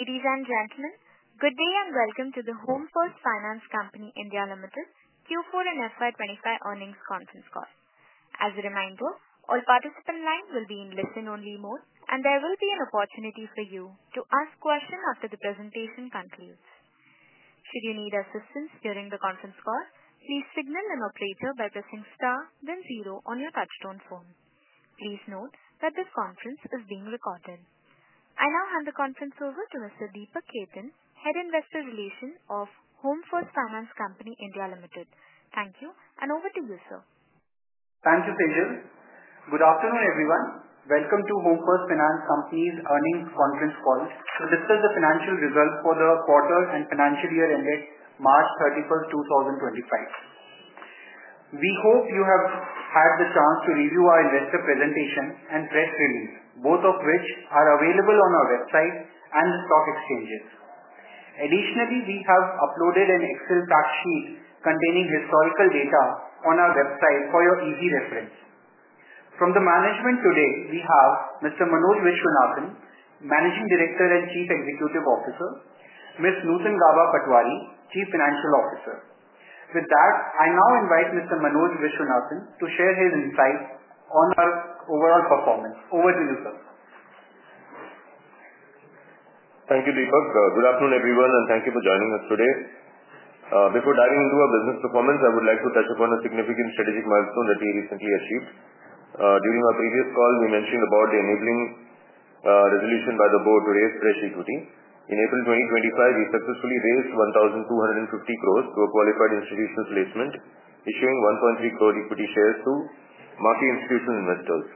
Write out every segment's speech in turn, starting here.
Ladies and gentlemen, good day and welcome to the Home First Finance Company India Limited Q4 and FY 2025 earnings conference call. As a reminder, all participants' lines will be in listen-only mode, and there will be an opportunity for you to ask questions after the presentation concludes. Should you need assistance during the conference call, please signal a prayer by pressing star, then zero on your touch-tone phone. Please note that this conference is being recorded. I now hand the conference over to Mr. Deepak Khetan, Head Investor Relations of Home First Finance Company India Limited. Thank you, and over to you, sir. Thank you, Tejal. Good afternoon, everyone. Welcome to Home First Finance Company's earnings conference call to discuss the financial results for the quarter and financial year ended March 31, 2025. We hope you have had the chance to review our investor presentation and press release, both of which are available on our website and the stock exchanges. Additionally, we have uploaded an Excel fact sheet containing historical data on our website for your easy reference. From the management today, we have Mr. Manoj Viswanathan, Managing Director and Chief Executive Officer, Ms. Nutan Gaba Patwari, Chief Financial Officer. With that, I now invite Mr. Manoj Viswanathan to share his insights on our overall performance. Over to you, sir. Thank you, Deepak. Good afternoon, everyone, and thank you for joining us today. Before diving into our business performance, I would like to touch upon a significant strategic milestone that we recently achieved. During our previous call, we mentioned about the enabling resolution by the board to raise fresh equity. In April 2025, we successfully raised 1,250 crore through a qualified institutional placement, issuing 1.3 crore equity shares to market institutional investors,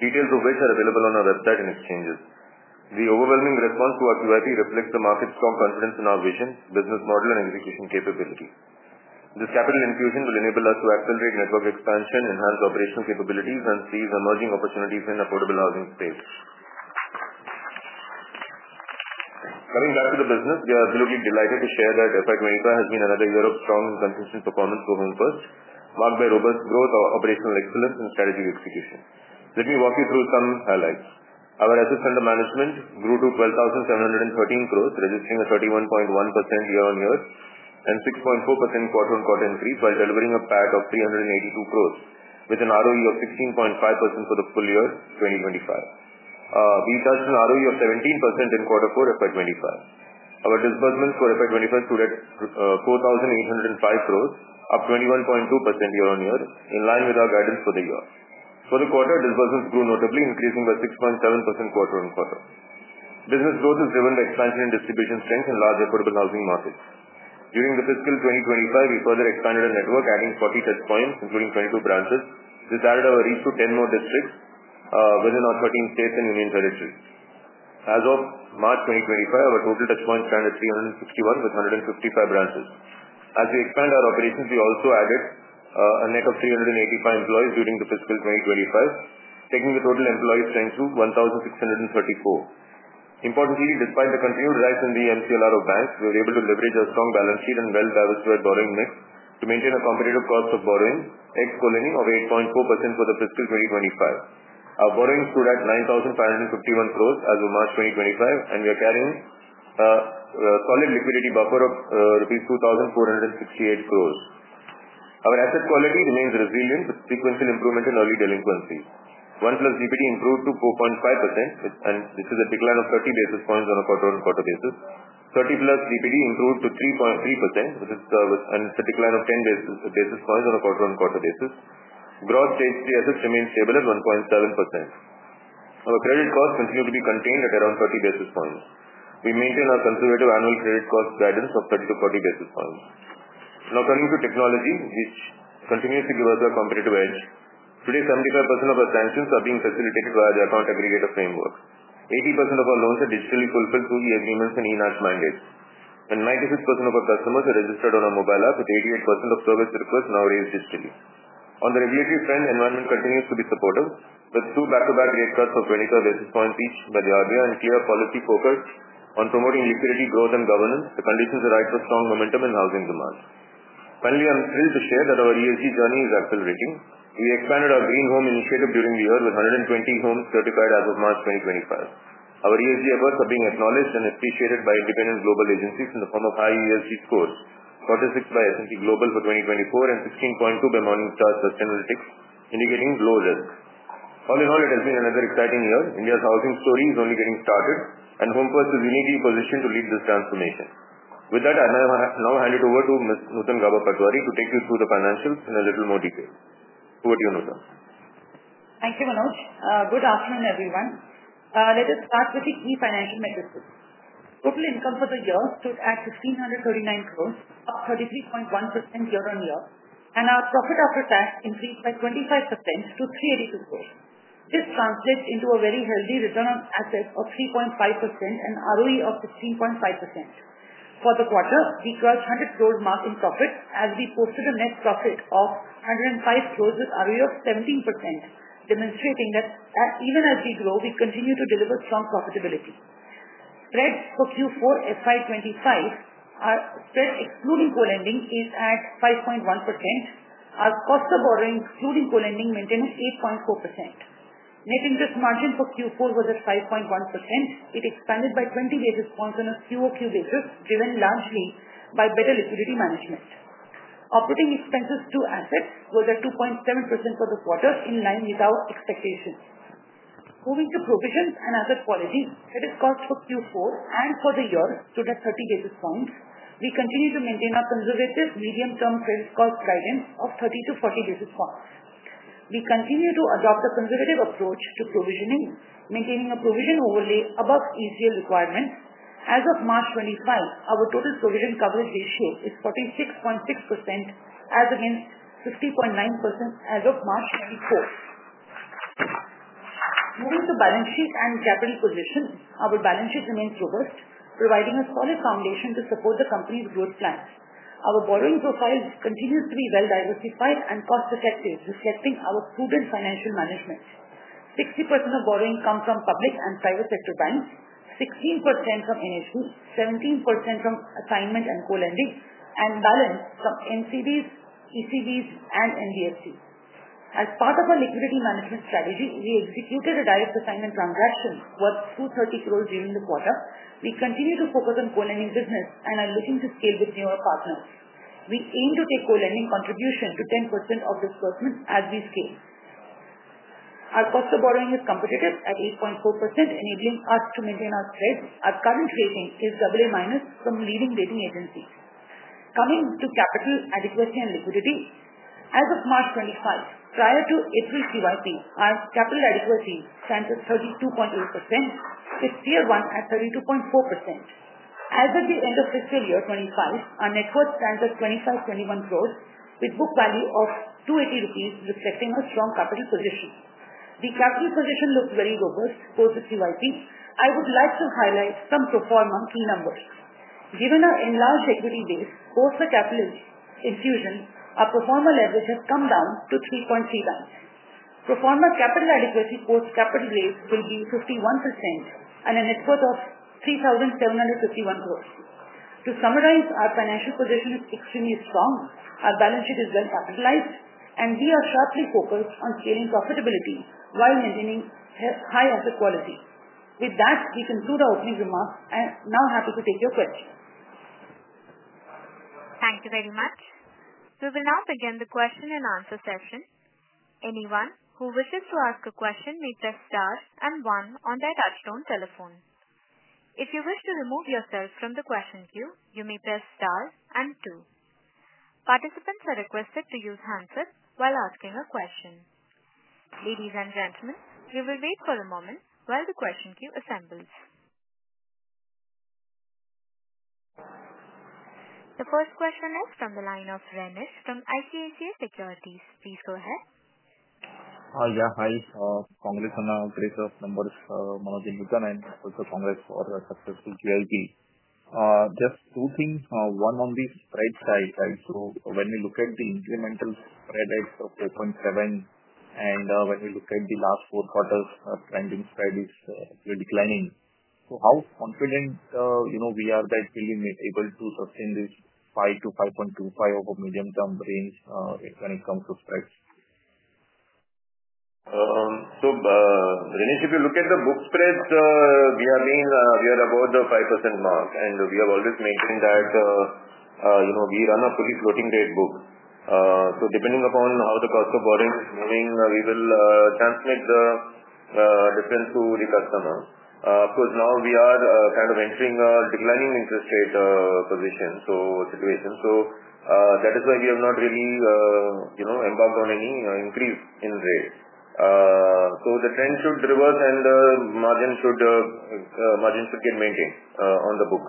details of which are available on our website and exchanges. The overwhelming response to our QIP reflects the market's strong confidence in our vision, business model, and execution capability. This capital infusion will enable us to accelerate network expansion, enhance operational capabilities, and seize emerging opportunities in the affordable housing space. Coming back to the business, we are absolutely delighted to share that FY 2025 has been another year of strong and consistent performance for Home First, marked by robust growth, operational excellence, and strategic execution. Let me walk you through some highlights. Our assets under management grew to 12,713 crore, registering a 31.1% year-on-year and 6.4% quarter-on-quarter increase while delivering a PAT of 382 crore, with an ROE of 16.5% for the full year 2025. We touched an ROE of 17% in quarter four FY 2025. Our disbursements for FY 2025 stood at 4,805 crore, up 21.2% year-on-year, in line with our guidance for the year. For the quarter, disbursements grew notably, increasing by 6.7% quarter-on-quarter. Business growth is driven by expansion and distribution strength in large affordable housing markets. During the fiscal 2025, we further expanded our network, adding 40 touchpoints, including 22 branches. This added our reach to 10 more districts within our 13 states and union territories. As of March 2025, our total touchpoints ran at 361, with 155 branches. As we expand our operations, we also added a net of 385 employees during the fiscal 2025, taking the total employee strength to 1,634. Importantly, despite the continued rise in the MCLR of banks, we were able to leverage our strong balance sheet and well-diversified borrowing mix to maintain a competitive cost of borrowing ex-colending of 8.4% for the fiscal 2025. Our borrowing stood at 9,551 crores as of March 2025, and we are carrying a solid liquidity buffer of rupees 2,468 crores. Our asset quality remains resilient with sequential improvement in early delinquencies. One-plus GPD improved to 4.5%, and this is a decline of 30 basis points on a quarter-on-quarter basis. 30-plus GPD improved to 3.3%, and it's a decline of 10 basis points on a quarter-on-quarter basis. Growth-stage 3 assets remained stable at 1.7%. Our credit costs continue to be contained at around 30 basis points. We maintain our conservative annual credit cost guidance of 30-40 basis points. Now, turning to technology, which continues to give us a competitive edge. Today, 75% of our sanctions are being facilitated via the account aggregator framework. 80% of our loans are digitally fulfilled through the agreements and e-nudge mandates. 96% of our customers are registered on our mobile app, with 88% of service requests now raised digitally. On the regulatory front, the environment continues to be supportive. With two back-to-back rate cuts of 25 basis points each by the RBI and clear policy focused on promoting liquidity, growth, and governance, the conditions are right for strong momentum in housing demand. Finally, I'm thrilled to share that our ESG journey is accelerating. We expanded our Green Home initiative during the year with 120 homes certified as of March 2025. Our ESG efforts are being acknowledged and appreciated by independent global agencies in the form of high ESG scores, 46 by S&P Global for 2024 and 16.2 by Morningstar's Western Analytics, indicating low risk. All in all, it has been another exciting year. India's housing story is only getting started, and Home First is uniquely positioned to lead this transformation. With that, I now hand it over to Ms. Nutan Gaba Patwari to take you through the financials in a little more detail. Over to you, Nutan. Thank you, Manoj. Good afternoon, everyone. Let us start with the key financial metrics. Total income for the year stood at 1,539 crore, up 33.1% year-on-year, and our profit after tax increased by 25% to 382 crore. This translates into a very healthy return on assets of 3.5% and ROE of 16.5%. For the quarter, we crossed the 100 crore mark in profit as we posted a net profit of 105 crore with ROE of 17%, demonstrating that even as we grow, we continue to deliver strong profitability. Spreads for Q4 FY 2025, spread excluding co-lending, is at 5.1%, while cost of borrowing excluding co-lending maintained at 8.4%. Net interest margin for Q4 was at 5.1%. It expanded by 20 basis points on a quarter-on-quarter basis, driven largely by better liquidity management. Operating expenses to assets were at 2.7% for the quarter, in line with our expectations. Moving to provisions and asset quality, credit cost for Q4 and for the year stood at 30 basis points. We continue to maintain our conservative medium-term credit cost guidance of 30-40 basis points. We continue to adopt a conservative approach to provisioning, maintaining a provision overlay above ECL requirements. As of March 2025, our total provision coverage ratio is 46.6%, as against 50.9% as of March 2024. Moving to balance sheet and capital position, our balance sheet remains robust, providing a solid foundation to support the company's growth plans. Our borrowing profile continues to be well-diversified and cost-effective, reflecting our prudent financial management. 60% of borrowing comes from public and private sector banks, 16% from NHB, 17% from assignment and co-lending, and balance from NCBs, ECBs, and NBFCs. As part of our liquidity management strategy, we executed a direct assignment transaction, worth 230 crore during the quarter. We continue to focus on co-lending business and are looking to scale with newer partners. We aim to take co-lending contribution to 10% of disbursements as we scale. Our cost of borrowing is competitive at 8.4%, enabling us to maintain our spreads. Our current rating is AA minus from leading rating agencies. Coming to capital adequacy and liquidity, as of March 2025, prior to April QIP, our capital adequacy stands at 32.8%, with tier one at 32.4%. As of the end of fiscal year 2025, our net worth stands at 2,521 crore, with book value of 280 rupees, reflecting a strong capital position. The capital position looks very robust post QIP. I would like to highlight some proforma key numbers. Given our enlarged equity base, post the capital infusion, our proforma leverage has come down to 3.3 times. Proforma capital adequacy post capital raise will be 51% and a net worth of 3,751 crore. To summarize, our financial position is extremely strong. Our balance sheet is well-capitalized, and we are sharply focused on scaling profitability while maintaining high asset quality. With that, we conclude our opening remarks, and now happy to take your questions. Thank you very much. We will now begin the question and answer session. Anyone who wishes to ask a question may press star and one on their touch-tone telephone. If you wish to remove yourself from the question queue, you may press star and two. Participants are requested to use hands up while asking a question. Ladies and gentlemen, we will wait for a moment while the question queue assembles. The first question is from the line of Renish from ICICI Securities. Please go ahead. Yeah, hi. Congress, honorable pleasure of members Manoj Viswanathan, and also congrats for a successful QIP. Just two things. One on the spread side, right? When we look at the incremental spread at 4.7%, and when we look at the last four quarters, trending spread is declining. How confident are we that we'll be able to sustain this 5%-5.25% over medium-term range when it comes to spreads? If you look at the book spreads, we are above the 5% mark, and we have always maintained that we run a fully floating rate book. So depending upon how the cost of borrowing is moving, we will transmit the difference to the customer. Of course, now we are kind of entering a declining interest rate position, so situation. That is why we have not really embarked on any increase in rate. The trend should reverse, and the margin should get maintained on the book.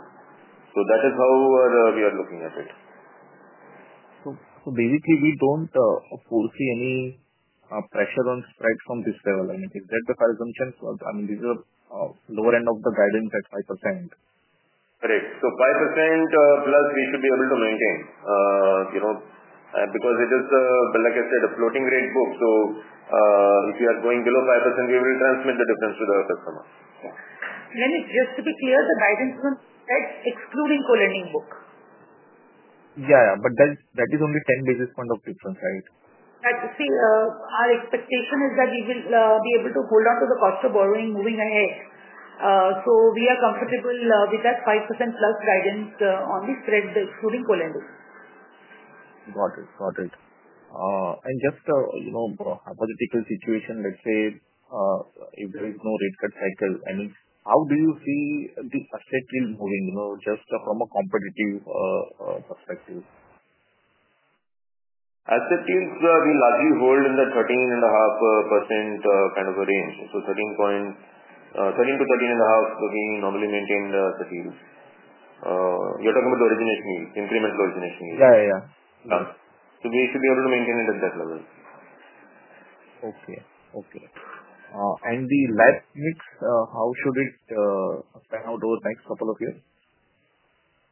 That is how we are looking at it. Basically, we don't foresee any pressure on spreads from this level. I mean, is that the assumption? I mean, this is the lower end of the guidance at 5%? Correct. 5%+ we should be able to maintain because it is, like I said, a floating rate book. If we are going below 5%, we will transmit the difference to the customer. Renish, just to be clear, the guidance on spreads excluding co-lending book. Yeah, yeah, but that is only 10 basis points of difference, right? See, our expectation is that we will be able to hold on to the cost of borrowing moving ahead. We are comfortable with that 5%+ guidance on the spread excluding co-lending. Got it, got it. Just a hypothetical situation, let's say if there is no rate cut cycle, I mean, how do you see the asset yield moving just from a competitive perspective? Asset yield, we largely hold in the 13.5% kind of a range. So 13%-13.5%, we normally maintain asset yield. You're talking about the incremental origination yield? Yeah, yeah. We should be able to maintain it at that level. Okay, okay. And the LAP mix, how should it pan out over the next couple of years?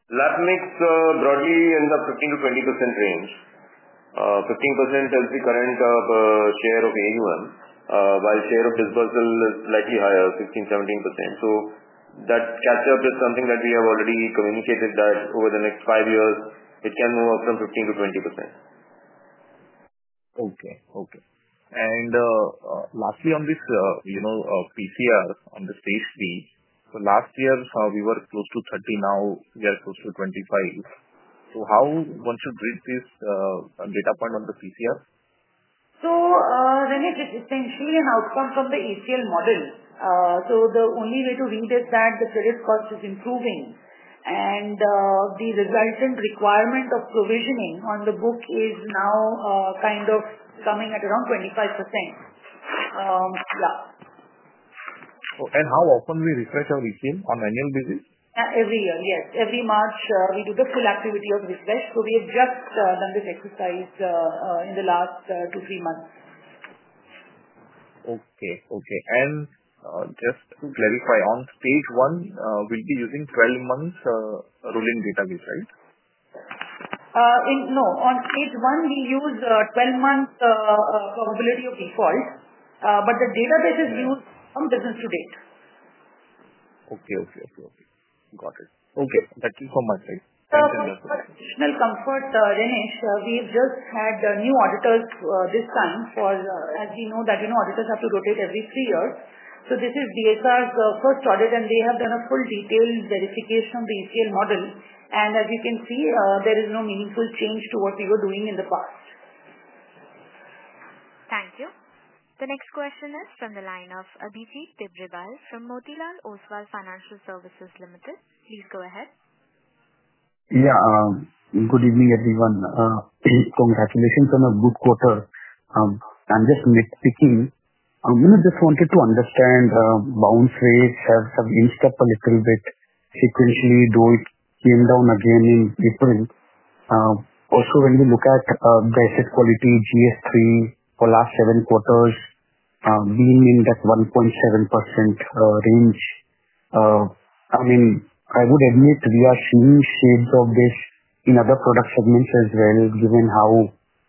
LAP mix broadly in the 15%-20% range. 15% is the current share of AUM, while share of disbursal is slightly higher, 16%-17%. That catch-up is something that we have already communicated that over the next five years, it can move up from 15% to 20%. Okay, okay. Lastly, on this PCR, on the stage B, last year we were close to 30%, now we are close to 25%. How should one read this data point on the PCR? Renish, it's essentially an outcome from the ECL model. The only way to read is that the credit cost is improving, and the resultant requirement of provisioning on the book is now kind of coming at around 25%. How often do we refresh our ECL on annual basis? Every year, yes. Every March, we do the full activity of refresh. We have just done this exercise in the last two, three months. Okay, okay. Just to clarify, on stage one, we'll be using 12-month rolling database, right? No, on stage one, we use 12-month probability of default, but the database is used from business to date. Okay, got it. Okay, that's it from my side. Additional comfort, Renish, we've just had new auditors this time for, as we know, that auditors have to rotate every three years. This is BSR's first audit, and they have done a full detailed verification of the ECL model. As you can see, there is no meaningful change to what we were doing in the past. Thank you. The next question is from the line of Abhijit Tibrewal from Motilal Oswal Financial Services Limited. Please go ahead. Yeah, good evening, everyone. Congratulations on a good quarter. I'm just nitpicking. I just wanted to understand, bounce rates have inched up a little bit sequentially though it came down again in April. Also, when we look at the asset quality, GS3 for the last seven quarters being in that 1.7% range, I mean, I would admit we are seeing shades of this in other product segments as well, given how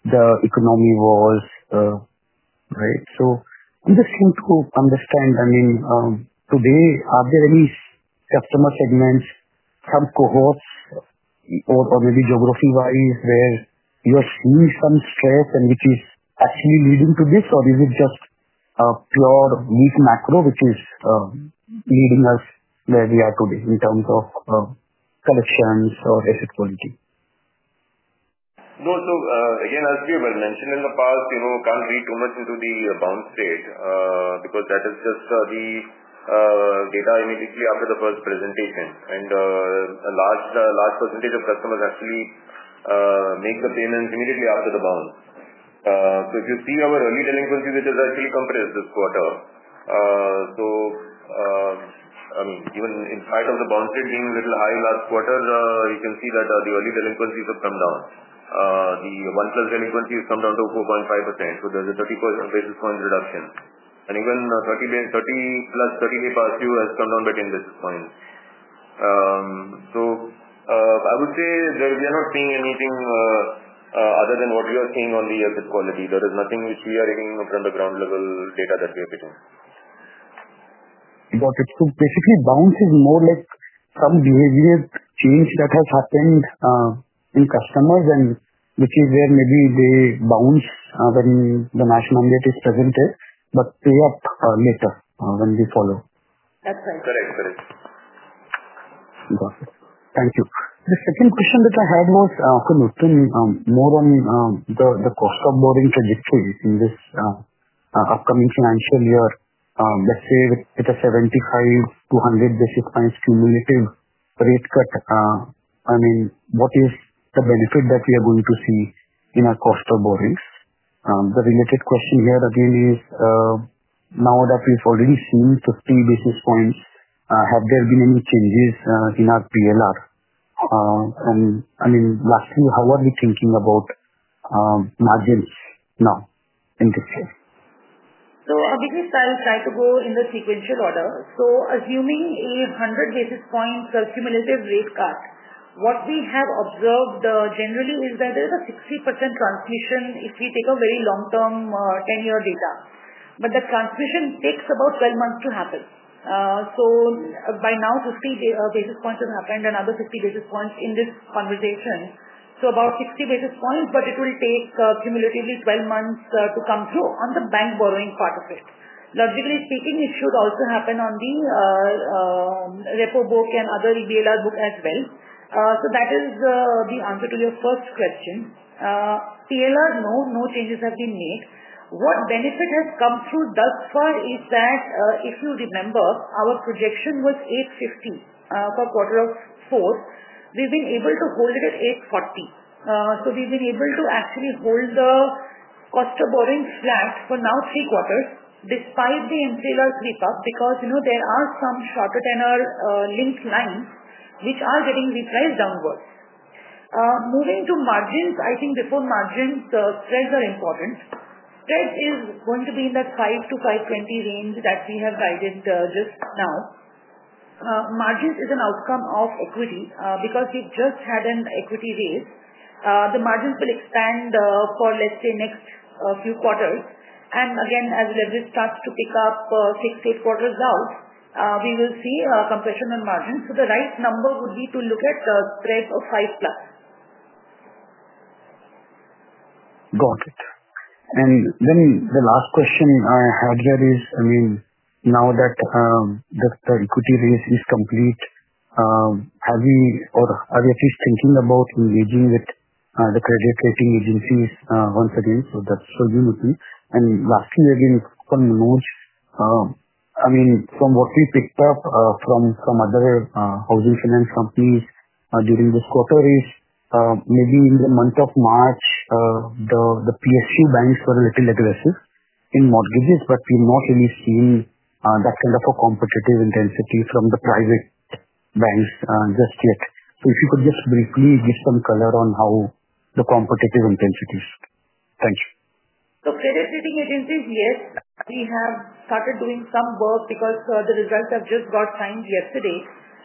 the economy was, right? I’m just trying to understand, I mean, today, are there any customer segments, some cohorts, or maybe geography-wise where you're seeing some stress and which is actually leading to this, or is it just a pure weak macro which is leading us where we are today in terms of collections or asset quality? No, as we have mentioned in the past, you can't read too much into the bounce rate because that is just the data immediately after the first presentation. A large percentage of customers actually make the payments immediately after the bounce. If you see our early delinquencies, it has actually compressed this quarter. I mean, even in spite of the bounce rate being a little high last quarter, you can see that the early delinquencies have come down. The one-plus delinquencies have come down to 4.5%. There is a 30 basis point reduction. Even 30+, 30+ 30 has come down by 10 basis points. I would say we are not seeing anything other than what we are seeing on the asset quality. There is nothing which we are getting from the ground-level data that we are getting. Got it. Basically, bounce is more like some behavior change that has happened in customers, and which is where maybe they bounce when the national mandate is presented, but play up later when we follow. That's right. Correct, correct. Got it. Thank you. The second question that I had was, Nutan, more on the cost of borrowing trajectory in this upcoming financial year. Let's say with a 75-200 basis points cumulative rate cut, I mean, what is the benefit that we are going to see in our cost of borrowings? The related question here again is, now that we've already seen 50 basis points, have there been any changes in our PLR? I mean, lastly, how are we thinking about margins now in this year? Abhijit, I'll try to go in the sequential order. Assuming a 100 basis points cumulative rate cut, what we have observed generally is that there is a 60% transmission if we take a very long-term 10-year data. The transmission takes about 12 months to happen. By now, 50 basis points have happened and another 50 basis points in this conversation. About 60 basis points, but it will take cumulatively 12 months to come through on the bank borrowing part of it. Logically speaking, it should also happen on the repo book and other EBLR book as well. That is the answer to your first question. PLR, no, no changes have been made. What benefit has come through thus far is that if you remember, our projection was 840 for quarter four. We've been able to hold it at 840. We have been able to actually hold the cost of borrowing flat for now three quarters despite the MCLR sweep-up because there are some shorter-tenor linked lines which are getting repriced downwards. Moving to margins, I think before margins, spreads are important. Spread is going to be in that 5-520 range that we have guided just now. Margins is an outcome of equity because we have just had an equity raise. The margins will expand for, let's say, next few quarters. Again, as leverage starts to pick up six to eight quarters out, we will see a compression on margins. The right number would be to look at the spread of five plus. Got it. The last question I had here is, I mean, now that the equity raise is complete, have we or are we at least thinking about engaging with the credit rating agencies once again? That is for you, Nutan. Lastly, again, for Manoj, I mean, from what we picked up from other housing finance companies during this quarter is maybe in the month of March, the PSU banks were a little aggressive in mortgages, but we have not really seen that kind of a competitive intensity from the private banks just yet. If you could just briefly give some color on how the competitive intensity is. Thank you. Credit rating agencies, yes, we have started doing some work because the results have just got signed yesterday.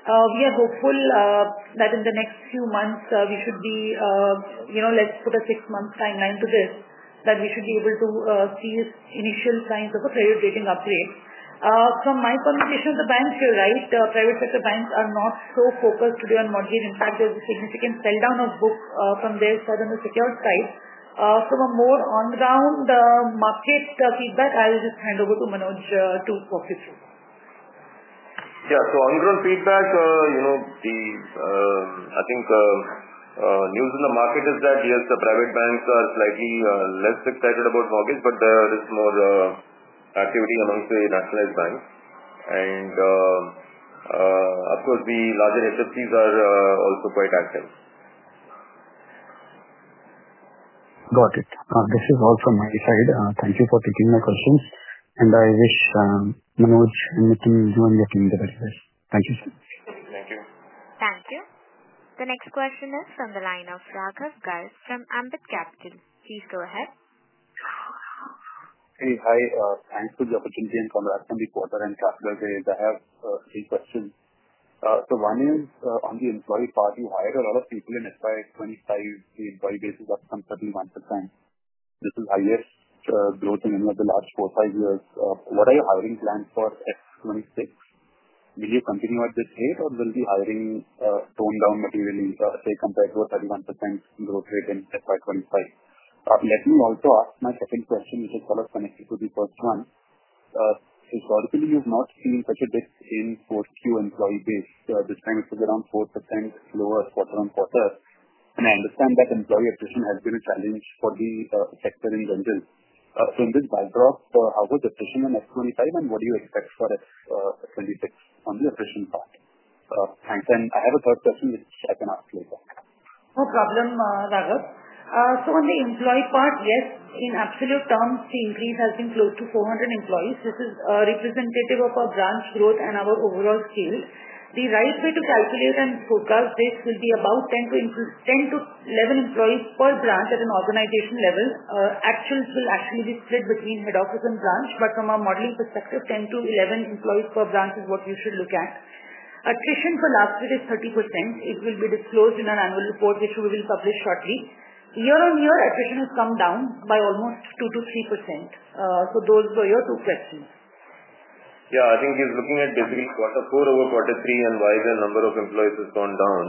We are hopeful that in the next few months, we should be—let's put a six-month timeline to this—that we should be able to see initial signs of a credit rating upgrade. From my conversation with the banks here, right, private sector banks are not so focused today on mortgage. In fact, there is a significant sell-down of book from their Southern Secure side. From a more on-ground market feedback, I will just hand over to Manoj to walk you through. Yeah, on-ground feedback, I think news in the market is that, yes, the private banks are slightly less excited about mortgage, but there is more activity amongst the nationalized banks. Of course, the larger HFCs are also quite active. Got it. This is all from my side. Thank you for taking my questions. I wish Manoj and Nutan, you and your team the very best. Thank you so much. Thank you. The next question is from the line of Raghav Garg from Ambit Capital. Please go ahead. Hey, hi. Thanks for the opportunity and congrats on the quarter and calculated. I have three questions. One is, on the employee part, you hired a lot of people in FY 2025. The employee base is up some 31%. This is the highest growth in any of the last four, five years. What are your hiring plans for FY 2026? Will you continue at this rate or will the hiring tone down materially, say compared to a 31% growth rate in FY 2025? Let me also ask my second question, which is sort of connected to the first one. Historically, you've not seen such a dip in Q4 employee base. This time, it was around 4% lower quarter on quarter. I understand that employee attrition has been a challenge for the sector in general. In this backdrop, how was attrition in FY 2025 and what do you expect for FY 2026 on the attrition part? Thanks. I have a third question, which I can ask later. No problem, Raghav. On the employee part, yes, in absolute terms, the increase has been close to 400 employees. This is representative of our branch growth and our overall scale. The right way to calculate and forecast this will be about 10-11 employees per branch at an organization level. Actuals will actually be split between head office and branch, but from our modeling perspective, 10-11 employees per branch is what you should look at. Attrition for last year is 30%. It will be disclosed in our annual report, which we will publish shortly. Year on year, attrition has come down by almost 2%-3%. Those were your two questions. Yeah, I think he's looking at basically quarter four over quarter three and why the number of employees has gone down.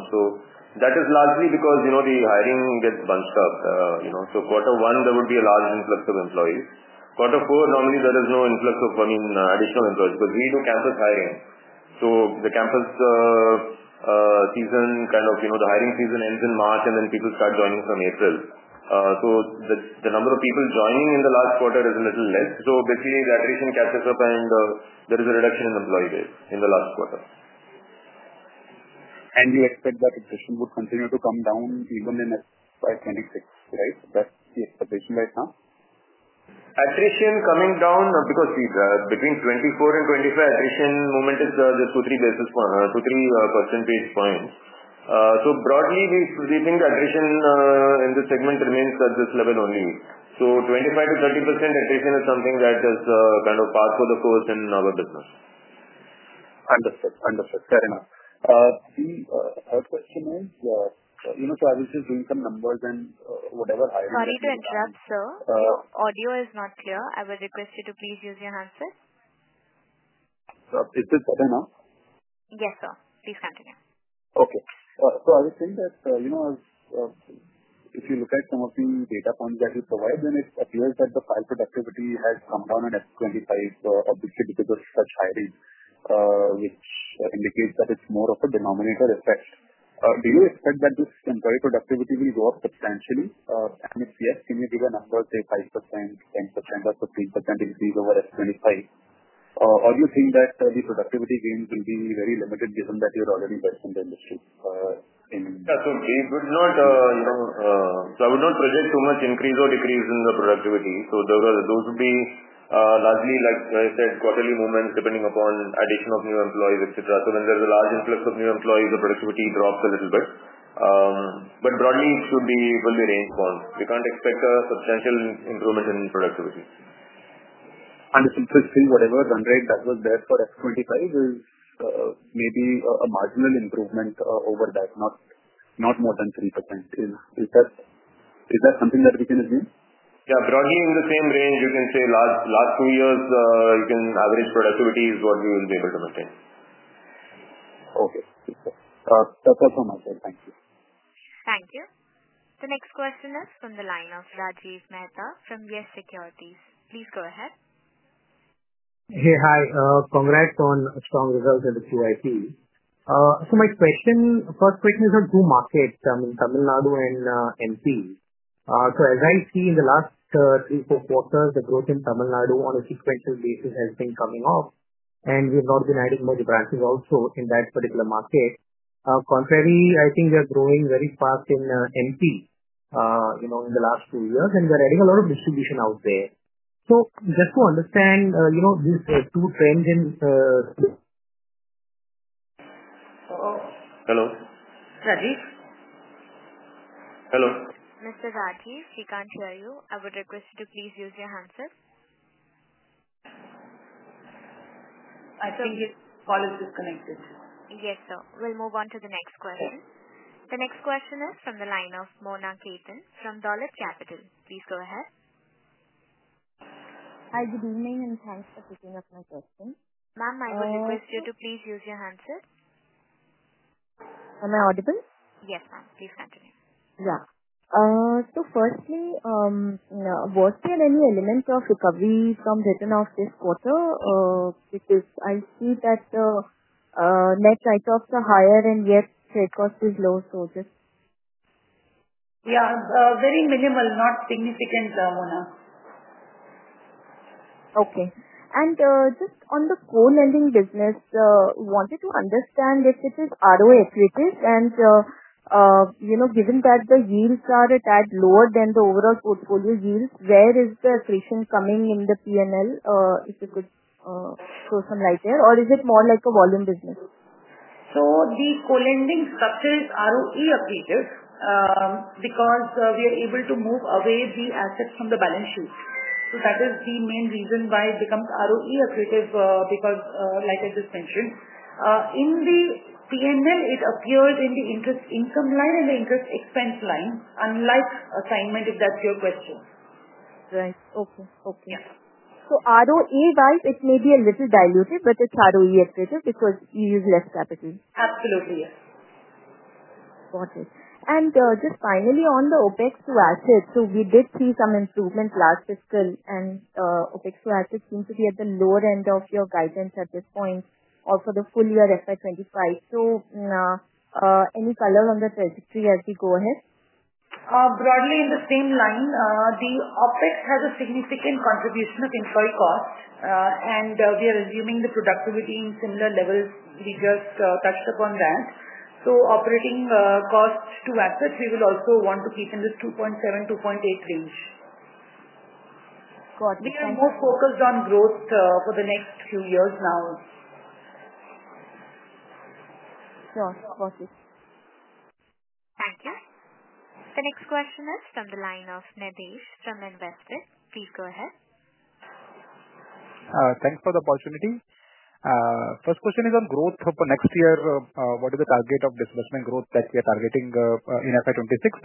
That is largely because the hiring gets bunched up. Quarter one, there would be a large influx of employees. Quarter four, normally there is no influx of, I mean, additional employees because we do campus hiring. The campus season kind of, the hiring season ends in March and then people start joining from April. The number of people joining in the last quarter is a little less. Basically, the attrition catches up and there is a reduction in employee base in the last quarter. You expect that attrition would continue to come down even in FY 2026, right? That's the expectation right now? Attrition coming down because between 2024 and 2025, attrition movement is just two to three basis points. Broadly, we think attrition in the segment remains at this level only. 25%-30% attrition is something that is kind of par for the course in our business. Understood. Understood. Fair enough. The third question is, I was just doing some numbers and whatever hiring. Sorry to interrupt, sir. Audio is not clear. I would request you to please use your handset. Is this better now? Yes, sir. Please continue. Okay. I was saying that if you look at some of the data points that you provide, then it appears that the file productivity has come down in FY 2025 obviously because of such hiring, which indicates that it's more of a denominator effect. Do you expect that this employee productivity will go up substantially? If yes, can you give a number, say 5%, 10%, or 15% increase over FY 2025? Do you think that the productivity gains will be very limited given that you're already invested in the industry? Yeah, so gains would not—so I would not project too much increase or decrease in the productivity. Those would be largely, like I said, quarterly movements depending upon addition of new employees, etc. When there's a large influx of new employees, the productivity drops a little bit. Broadly, it will be range bound. We can't expect a substantial improvement in productivity. Understood. So still, whatever run rate that was there for FY 2025 is maybe a marginal improvement over that, not more than 3%. Is that something that we can assume? Yeah, broadly, in the same range, you can say last two years, you can average productivity is what we will be able to maintain. Okay. That's all from my side. Thank you. Thank you. The next question is from the line of Rajiv Mehta from YES Securities. Please go ahead. Hey, hi. Congrats on strong results at the CIT. My first question is on two markets, I mean, Tamil Nadu and MP. As I see in the last three, four quarters, the growth in Tamil Nadu on a sequential basis has been coming up, and we have not been adding much branches also in that particular market. Contrary, I think we are growing very fast in MP in the last two years, and we are adding a lot of distribution out there. Just to understand these two trends in. Hello. Rajiv? Hello. Mr. Rajiv, he can't hear you. I would request you to please use your handset. I think his call is disconnected. Yes, sir. We'll move on to the next question. The next question is from the line of Mona Kh``etan from Dolat Capital. Please go ahead. Hi, good evening, and thanks for picking up my question. Ma'am, I would request you to please use your handset. Am I audible? Yes, ma'am. Please continue. Yeah. Firstly, was there any element of recovery from return of this quarter? Because I see that net trade costs are higher and yet trade cost is low, just. Yeah, very minimal, not significant, Mona. Okay. Just on the co-lending business, wanted to understand if it is ROE accretive. Given that the yields are a tad lower than the overall portfolio yields, where is the attrition coming in the P&L? If you could throw some light there, or is it more like a volume business? The co-lending structure is ROE accretive because we are able to move away the assets from the balance sheet. That is the main reason why it becomes ROE accretive because, like I just mentioned, in the P&L, it appears in the interest income line and the interest expense line, unlike assignment, if that is your question. Right. Okay. Okay. ROE-wise, it may be a little diluted, but it's ROE accretive because you use less capital. Absolutely, yes. Got it. Just finally, on the OpEx to assets, we did see some improvements last fiscal, and OpEx to assets seem to be at the lower end of your guidance at this point, also the full year FY 2025. Any color on the trajectory as we go ahead? Broadly, in the same line, the OpEx has a significant contribution of employee cost, and we are assuming the productivity in similar levels. We just touched upon that. Operating costs to assets, we will also want to keep in this 2.7-2.8% range. We are more focused on growth for the next few years now. Sure. Got it. Thank you. The next question is from the line of Nadesh from Investment. Please go ahead. Thanks for the opportunity. First question is on growth for next year. What is the target of disbursement growth that you are targeting in FY 2026?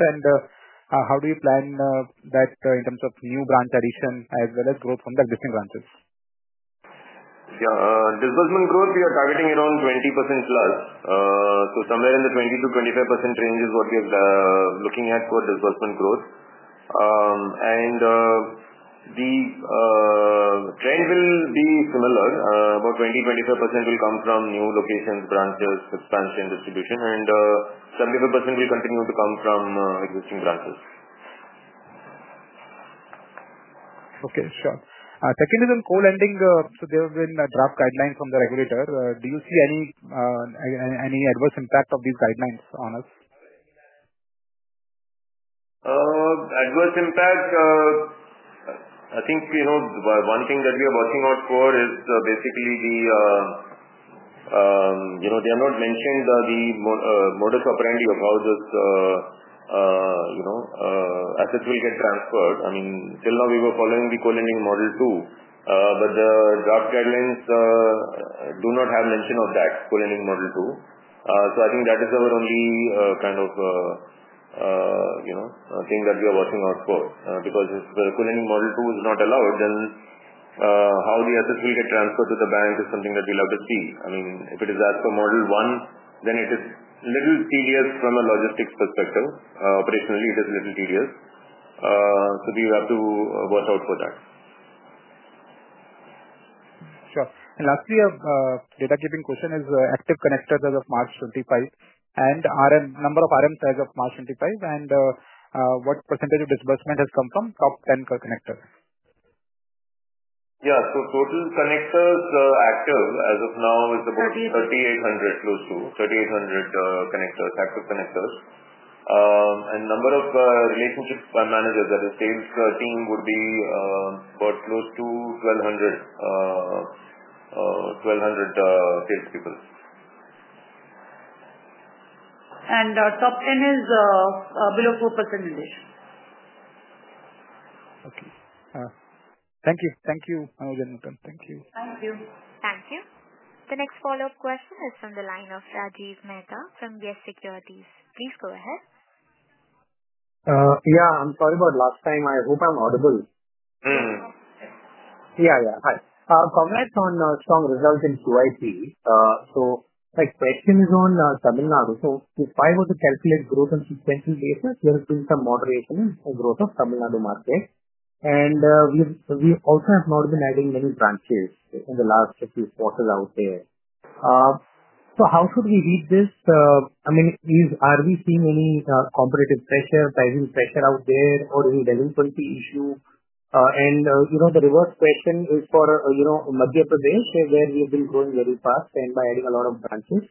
How do you plan that in terms of new branch addition as well as growth from the existing branches? Yeah. Disbursement growth, we are targeting around 20%+. Somewhere in the 20%-25% range is what we are looking at for disbursement growth. The trend will be similar. About 20%-25% will come from new locations, branches, expansion, distribution, and 75% will continue to come from existing branches. Okay. Sure. Second is on co-lending. There have been draft guidelines from the regulator. Do you see any adverse impact of these guidelines on us? Adverse impact? I think one thing that we are watching out for is basically the—they have not mentioned the modus operandi of how these assets will get transferred. I mean, till now, we were following the co-lending model too, but the draft guidelines do not have mention of that, co-lending model too. I think that is our only kind of thing that we are watching out for. Because if the co-lending model too is not allowed, then how the assets will get transferred to the bank is something that we'll have to see. I mean, if it is asked for model one, then it is a little tedious from a logistics perspective. Operationally, it is a little tedious. We will have to watch out for that. Sure. Lastly, a data-keeping question is active connectors as of March 2025 and number of RMs as of March 2025, and what percentage of disbursement has come from top 10 connectors? Yeah. Total connectors active as of now is about 3,800, close to 3,800 connectors, active connectors. Number of relationship managers, that is, sales team would be about close to 1,200 salespeople. Top 10 is below 4%, Nadesh. Okay. Thank you. Thank you, Manoj and Nutan. Thank you. Thank you. Thank you. The next follow-up question is from the line of Rajiv Mehta from YES Securities. Please go ahead. Yeah. I'm sorry about last time. I hope I'm audible. Yeah, yeah. Hi. Congrats on strong results in QIP. My question is on Tamil Nadu. If I were to calculate growth on a sequential basis, there has been some moderation in the growth of the Tamil Nadu market. We also have not been adding many branches in the last few quarters out there. How should we read this? I mean, are we seeing any competitive pressure, pricing pressure out there, or is it a liquidity issue? The reverse question is for Madhya Pradesh, where we have been growing very fast and by adding a lot of branches.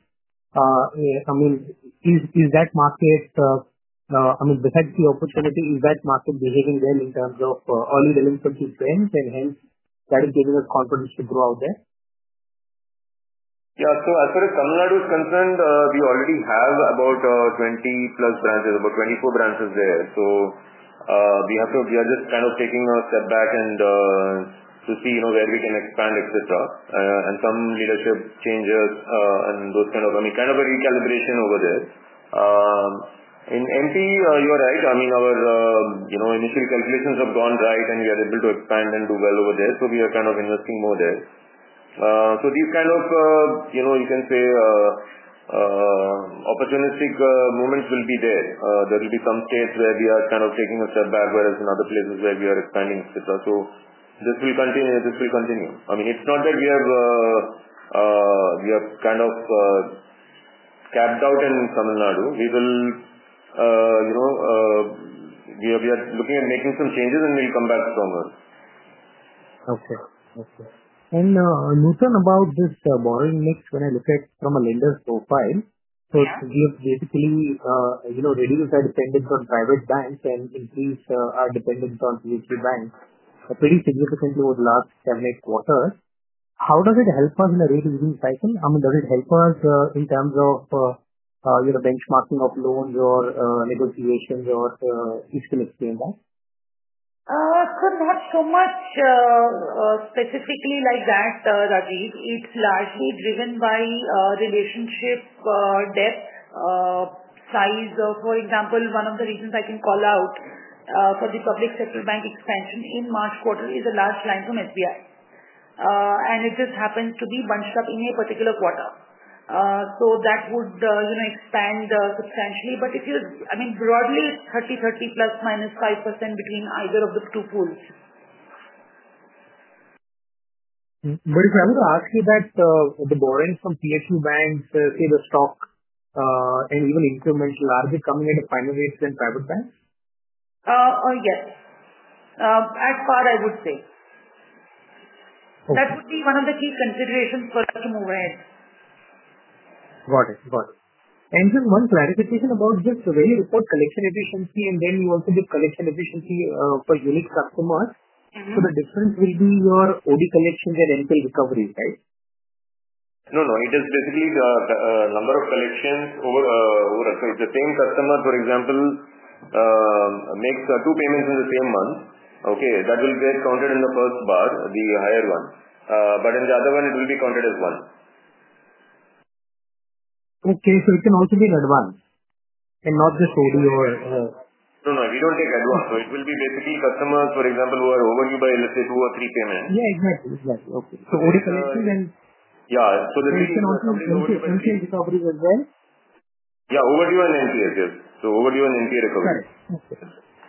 I mean, is that market—I mean, besides the opportunity, is that market behaving well in terms of early delinquency trends, and hence, that is giving us confidence to grow out there? Yeah. As far as Tamil Nadu is concerned, we already have about 20+ branches, about 24 branches there. We are just kind of taking a step back to see where we can expand, etc., and some leadership changes and those kind of, I mean, kind of a recalibration over there. In MP, you're right. I mean, our initial calculations have gone right, and we are able to expand and do well over there. We are kind of investing more there. These kind of, you can say, opportunistic movements will be there. There will be some states where we are kind of taking a step back, whereas in other places where we are expanding, etc. This will continue. I mean, it's not that we have kind of capped out in Tamil Nadu. We are looking at making some changes, and we'll come back stronger. Okay. Okay. Nutan, about this borrowing mix, when I look at from a lender's profile, it gives basically reduced our dependence on private banks and increased our dependence on PHB banks pretty significantly over the last seven, eight quarters. How does it help us in a rate-increasing cycle? I mean, does it help us in terms of benchmarking of loans or negotiations or each kind of thing like that? It could not have so much specifically like that, Rajiv. It is largely driven by relationship depth, size. For example, one of the reasons I can call out for the public sector bank expansion in March quarter is a large line from SBI. It just happens to be bunched up in a particular quarter. That would expand substantially. If you—I mean, broadly, it is 30, 30, ±5% between either of the two pools. If I were to ask you that, the borrowing from PSU banks, say, the stock and even incremental are becoming at a finer rate than private banks? Yes. At part, I would say. That would be one of the key considerations for us to move ahead. Got it. Got it. Just one clarification about just the way you report collection efficiency, and then you also give collection efficiency for unique customers. The difference will be your OD collections and MP recovery, right? No, no. It is basically the number of collections over the same customer, for example, makes two payments in the same month. Okay. That will get counted in the first bar, the higher one. In the other one, it will be counted as one. Okay. So it can also be an advance and not just OD or? No, no. We don't take advance. It will be basically customers, for example, who are overdue by, let's say, two or three payments. Yeah, exactly. Exactly. Okay. OD collections and MP recovery. Yeah. There can also be overdue and NP recovery as well? Yeah. Overdue and NPA, yes. Overdue and NPA recovery.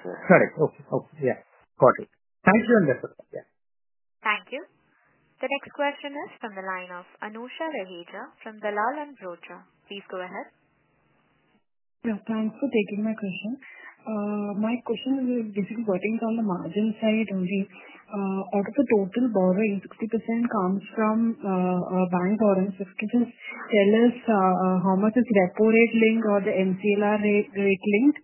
Correct.Correct. Okay. Okay. Yeah. Got it. Thank you, Ananda. Yeah. Thank you. The next question is from the line of Anusha Raheja from Dalal & Broacha. Please go ahead. Yeah. Thanks for taking my question. My question is basically working on the margin side only. Out of the total borrowing, 60% comes from bank or rents. If you can just tell us how much is repo rate linked or the MCLR rate linked.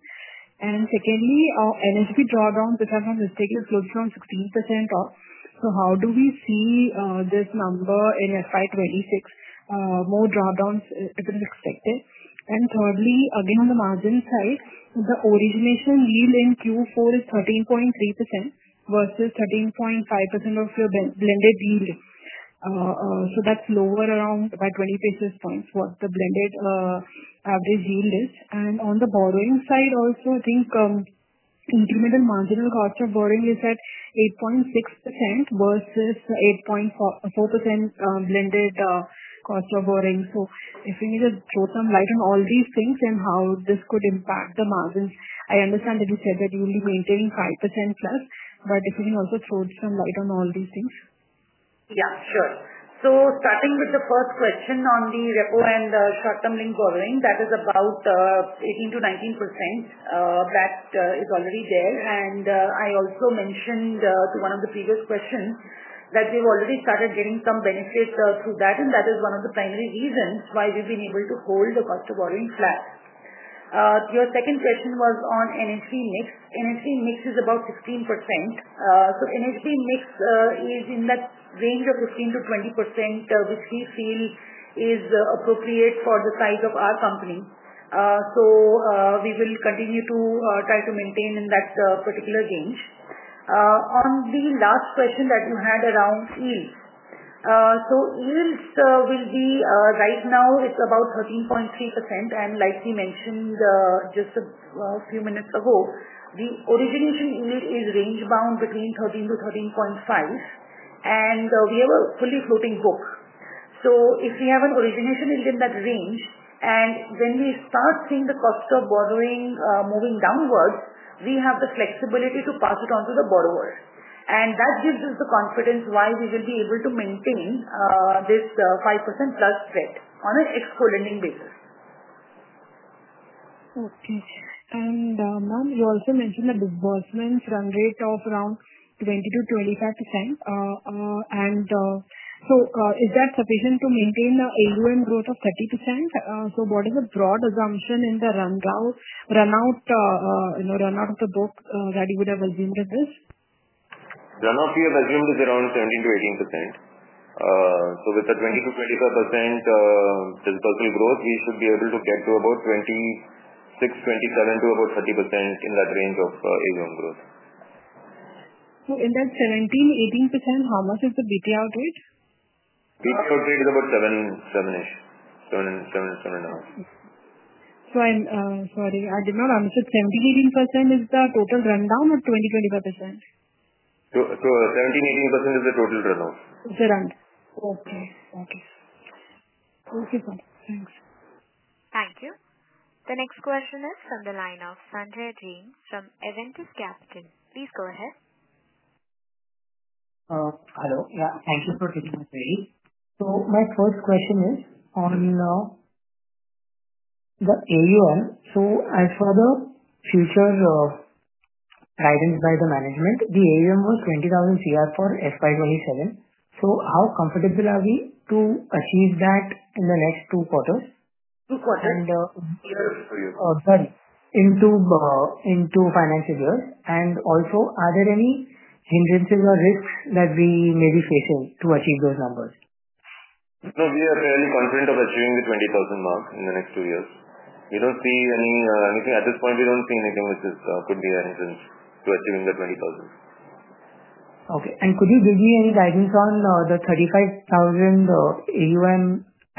Secondly, our NSB drawdown, if I'm not mistaken, is close to around 16%. How do we see this number in FY 2026? More drawdowns if it is expected. Thirdly, again, on the margin side, the origination yield in Q4 is 13.3% versus 13.5% of your blended yield. That is lower around by 20 basis points what the blended average yield is. On the borrowing side also, I think incremental marginal cost of borrowing is at 8.6% versus 8.4% blended cost of borrowing. If you need to throw some light on all these things and how this could impact the margins, I understand that you said that you will be maintaining 5%+, but if you can also throw some light on all these things. Yeah. Sure. Starting with the first question on the repo and short-term link borrowing, that is about 18%-19% that is already there. I also mentioned to one of the previous questions that we have already started getting some benefit through that, and that is one of the primary reasons why we have been able to hold the cost of borrowing flat. Your second question was on NSB mix. NSB mix is about 16%. NSB mix is in that range of 15%-20%, which we feel is appropriate for the size of our company. We will continue to try to maintain in that particular range. On the last question that you had around yields, yields will be right now, it's about 13.3%. Like we mentioned just a few minutes ago, the origination yield is range-bound between 13%-13.5%, and we have a fully floating book. If we have an origination yield in that range, and when we start seeing the cost of borrowing moving downwards, we have the flexibility to pass it on to the borrower. That gives us the confidence why we will be able to maintain this 5%% spread on an ex co-lending basis. Okay. Ma'am, you also mentioned the disbursement run rate of around 20%-25%. Is that sufficient to maintain the AUM growth of 30%? What is the broad assumption in the runout of the book that you would have assumed at this? The runout we have assumed is around 17%-18%. With the 20%-25% disbursement growth, we should be able to get to about 26%-27% to about 30% in that range of AUM growth. In that 17%-18%, how much is the BTR rate? BTR rate is about 7-ish, 7.5% I'm sorry. I did not understand. 17%-18% is the total run-down or 20%-25%? 17%, 18% is the total runout. The run. Okay. Okay. Thank you, sir. Thanks. Thank you. The next question is from the line of Sanjay Rane from Avendus Capital. Please go ahead. Hello. Yeah. Thank you for t`aking my call. My first question is on the AUM. As for the future guidance by the management, the AUM was 20,000 crore for FY 2027. How comfortable are we to achieve that in the next two quarters? Two quarters for you. Sorry. Into financial years. Are there any hindrances or risks that we may be facing to achieve those numbers? No, we are fairly confident of achieving the 20,000 crore mark in the next two years. We do not see anything at this point. We do not see anything which could be a hindrance to achieving the 20,000 crore. Okay. Could you give me any guidance on the 35,000 AUM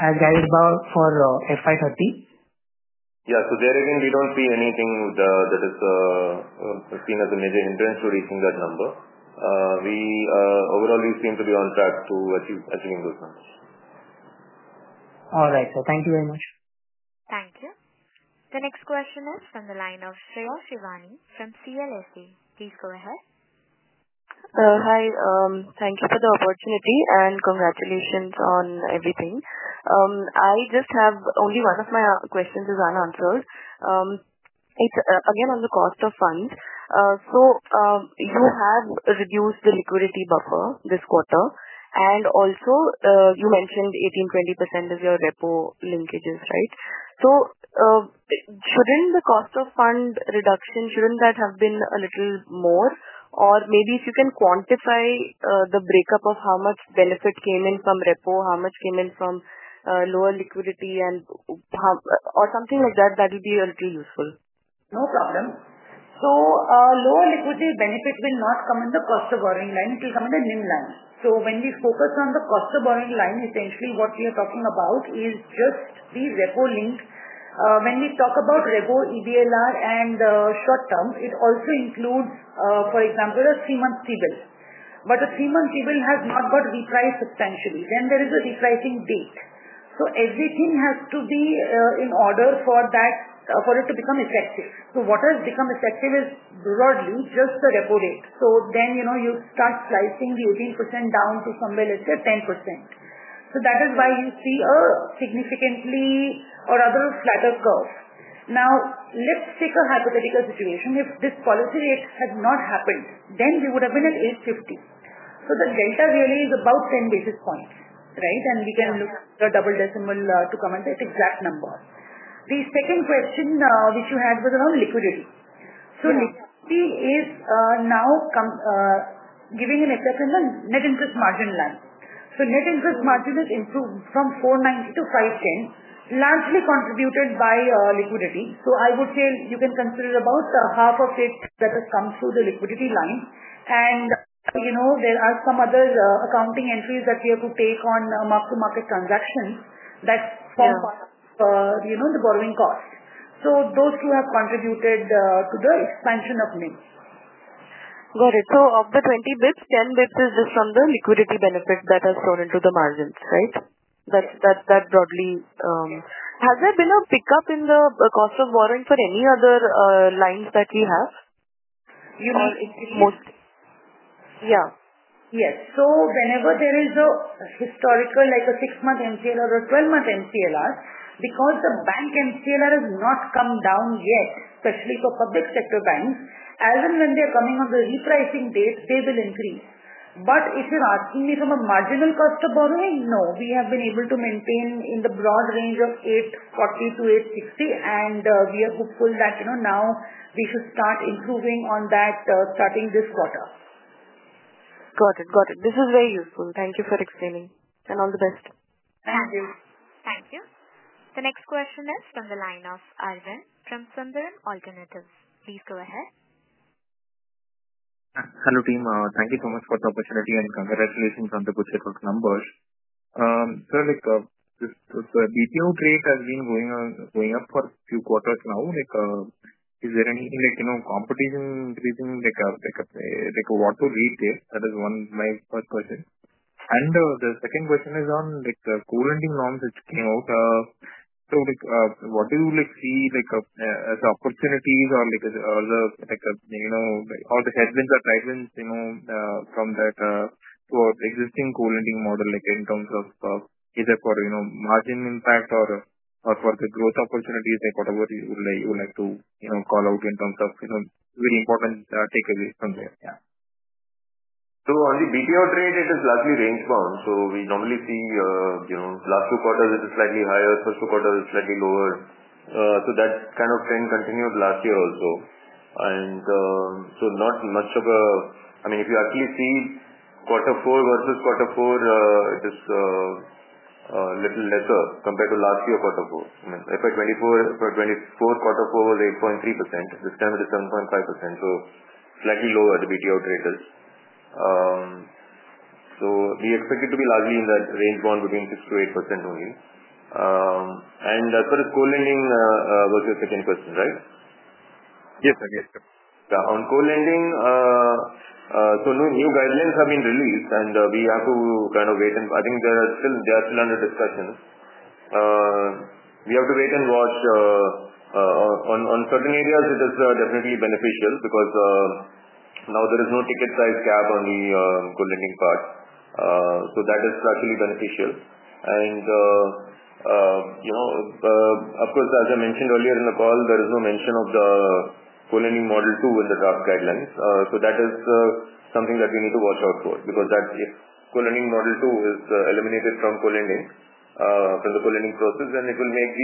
as guided bar for FY 2030? Yeah. There again, we do not see anything that is seen as a major hindrance to reaching that number. Overall, we seem to be on track to achieving those numbers. All right. Thank you very much. Thank you. The next question is from the line of Shreya Shivani from CLSA. Please go ahead. Hi. Thank you for the opportunity and congratulations on everything. I just have only one of my questions is unanswered. It's again on the cost of funds. You have reduced the liquidity buffer this quarter. You mentioned 18-20% is your repo linkages, right? Shouldn't the cost of fund reduction, shouldn't that have been a little more? If you can quantify the breakup of how much benefit came in from repo, how much came in from lower liquidity, or something like that, that would be a little useful. No problem. Lower liquidity benefit will not come in the cost of borrowing line. It will come in the NIM line. When we focus on the cost of borrowing line, essentially what we are talking about is just the repo link. When we talk about repo EBLR and short-term, it also includes, for example, a three-month T-bill. A three-month T-bill has not got repriced substantially. There is a repricing date. Everything has to be in order for it to become effective. What has become effective is broadly just the repo rate. You start slicing the 18% down to somewhere, let's say, 10%. That is why you see a significantly or rather flatter curve. Let's take a hypothetical situation. If this policy rate had not happened, we would have been at 850. The delta really is about 10 basis points, right? We can look at the double decimal to come at that exact number. The second question which you had was around liquidity. Liquidity is now giving an effect on the net interest margin line. Net interest margin has improved from 490 to 510, largely contributed by liquidity. I would say you can consider about half of it that has come through the liquidity line. There are some other accounting entries that we have to take on mark-to-market transactions that form part of the borrowing cost. Those two have contributed to the expansion of NIM. Got it. Of the 20 basis points, 10 basis points is just from the liquidity benefit that has flown into the margins, right? That broadly. Has there been a pickup in the cost of borrowing for any other lines that we have? You mean most? Yeah. Yes. Whenever there is a historical, like a six-month MCLR or a 12-month MCLR, because the bank MCLR has not come down yet, especially for public sector banks, as and when they are coming on the repricing date, they will increase. If you're asking me from a marginal cost of borrowing, no. We have been able to maintain in the broad range of 8.40-8.60. We are hopeful that now we should start improving on that starting this quarter. Got it. Got it. This is very useful. Thank you for explaining. All the best. Thank you. Thank you. The next question is from the line of Arvind from Sundaram Alternatives. Please go ahead. Hello, team. Thank you so much for the opportunity and congratulations on the good set of numbers. Sir, the BTO rate has been going up for a few quarters now. Is there any competition increasing? What to rate there? That is my first question. The second question is on the co-lending norms which came out. What do you see as opportunities or the headwinds or drivewinds from that to our existing co-lending model in terms of either for margin impact or for the growth opportunities, whatever you would like to call out in terms of very important takeaways from there. Yeah. On the BTO rate, it is largely range-bound. We normally see last two quarters is slightly higher, first two quarters is slightly lower. That kind of trend continued last year also. If you actually see quarter four versus quarter four, it is a little lesser compared to last year quarter four. FY 2024 quarter four was 8.3%. This time it is 7.5%. Slightly lower the BTO rate is. We expect it to be largely in that range-bound between 6%-8% only. As far as co-lending was your second question, right? Yes, sir. Yes, sir. Yeah. On co-lending, new guidelines have been released, and we have to kind of wait. I think they are still under discussion. We have to wait and watch. On certain areas, it is definitely beneficial because now there is no ticket size cap on the co-lending part. That is actually beneficial. Of course, as I mentioned earlier in the call, there is no mention of the co-lending model two in the draft guidelines. That is something that we need to watch out for because if co-lending model two is eliminated from co-lending, from the co-lending process, it will make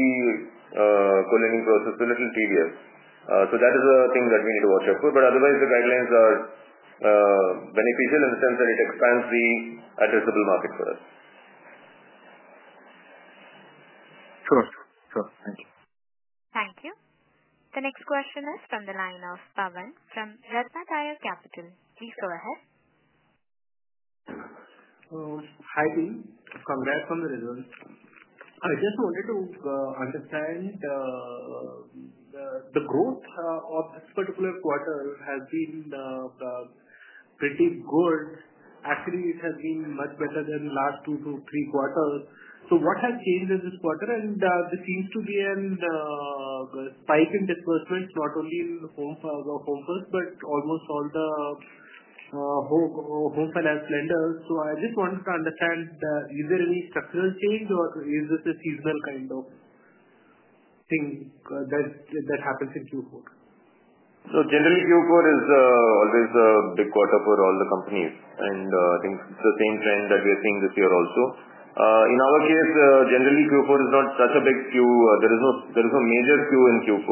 the co-lending process a little tedious. That is a thing that we need to watch out for. Otherwise, the guidelines are beneficial in the sense that it expands the addressable market for us. Sure. Sure. Thank you. Thank you. The next question is from the line of Bhavan from Ratnakar Capital. Please go ahead. Hi, team. Congrats on the results. I just wanted to understand the growth of this particular quarter has been pretty good. Actually, it has been much better than last two to three quarters. What has changed in this quarter? There seems to be a spike in disbursements, not only in Home First, but almost all the Home Finance lenders. I just wanted to understand, is there any structural change, or is this a seasonal kind of thing that happens in Q4? Generally, Q4 is always a big quarter for all the companies. I think it's the same trend that we are seeing this year also. In our case, generally, Q4 is not such a big quarter. There is no major jump in Q4.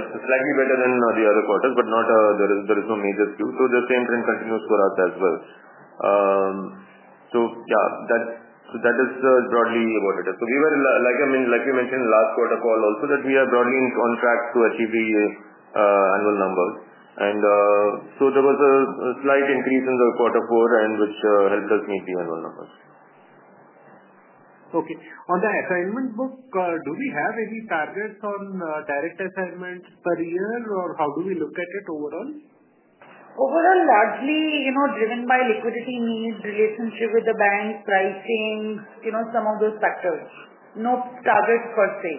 It's slightly better than the other quarters, but there is no major jump. The same trend continues for us as well. That is broadly what it is. We were, like we mentioned in last quarter call also, broadly on track to achieve the annual numbers. There was a slight increase in the quarter four, which helped us meet the annual numbers. Okay. On the assignment book, do we have any targets on direct assignments per year, or how do we look at it overall? Overall, largely driven by liquidity needs, relationship with the bank, pricing, some of those factors. No targets per se.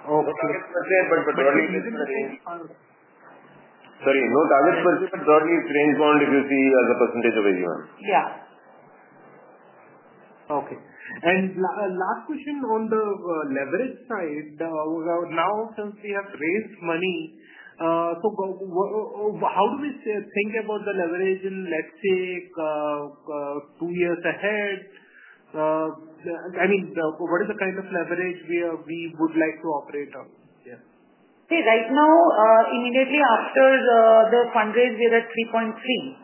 Okay. No targets per se, but broadly it's range-bound. Sorry. No targets per se, but broadly it's range-bound if you see as a percentage of AUM. Yeah. Okay. Last question on the leverage side. Now, since we have raised money, how do we think about the leverage in, let's say, two years ahead? I mean, what is the kind of leverage we would like to operate on? Yeah. See, right now, immediately after the fundraise, we are at 3.3%.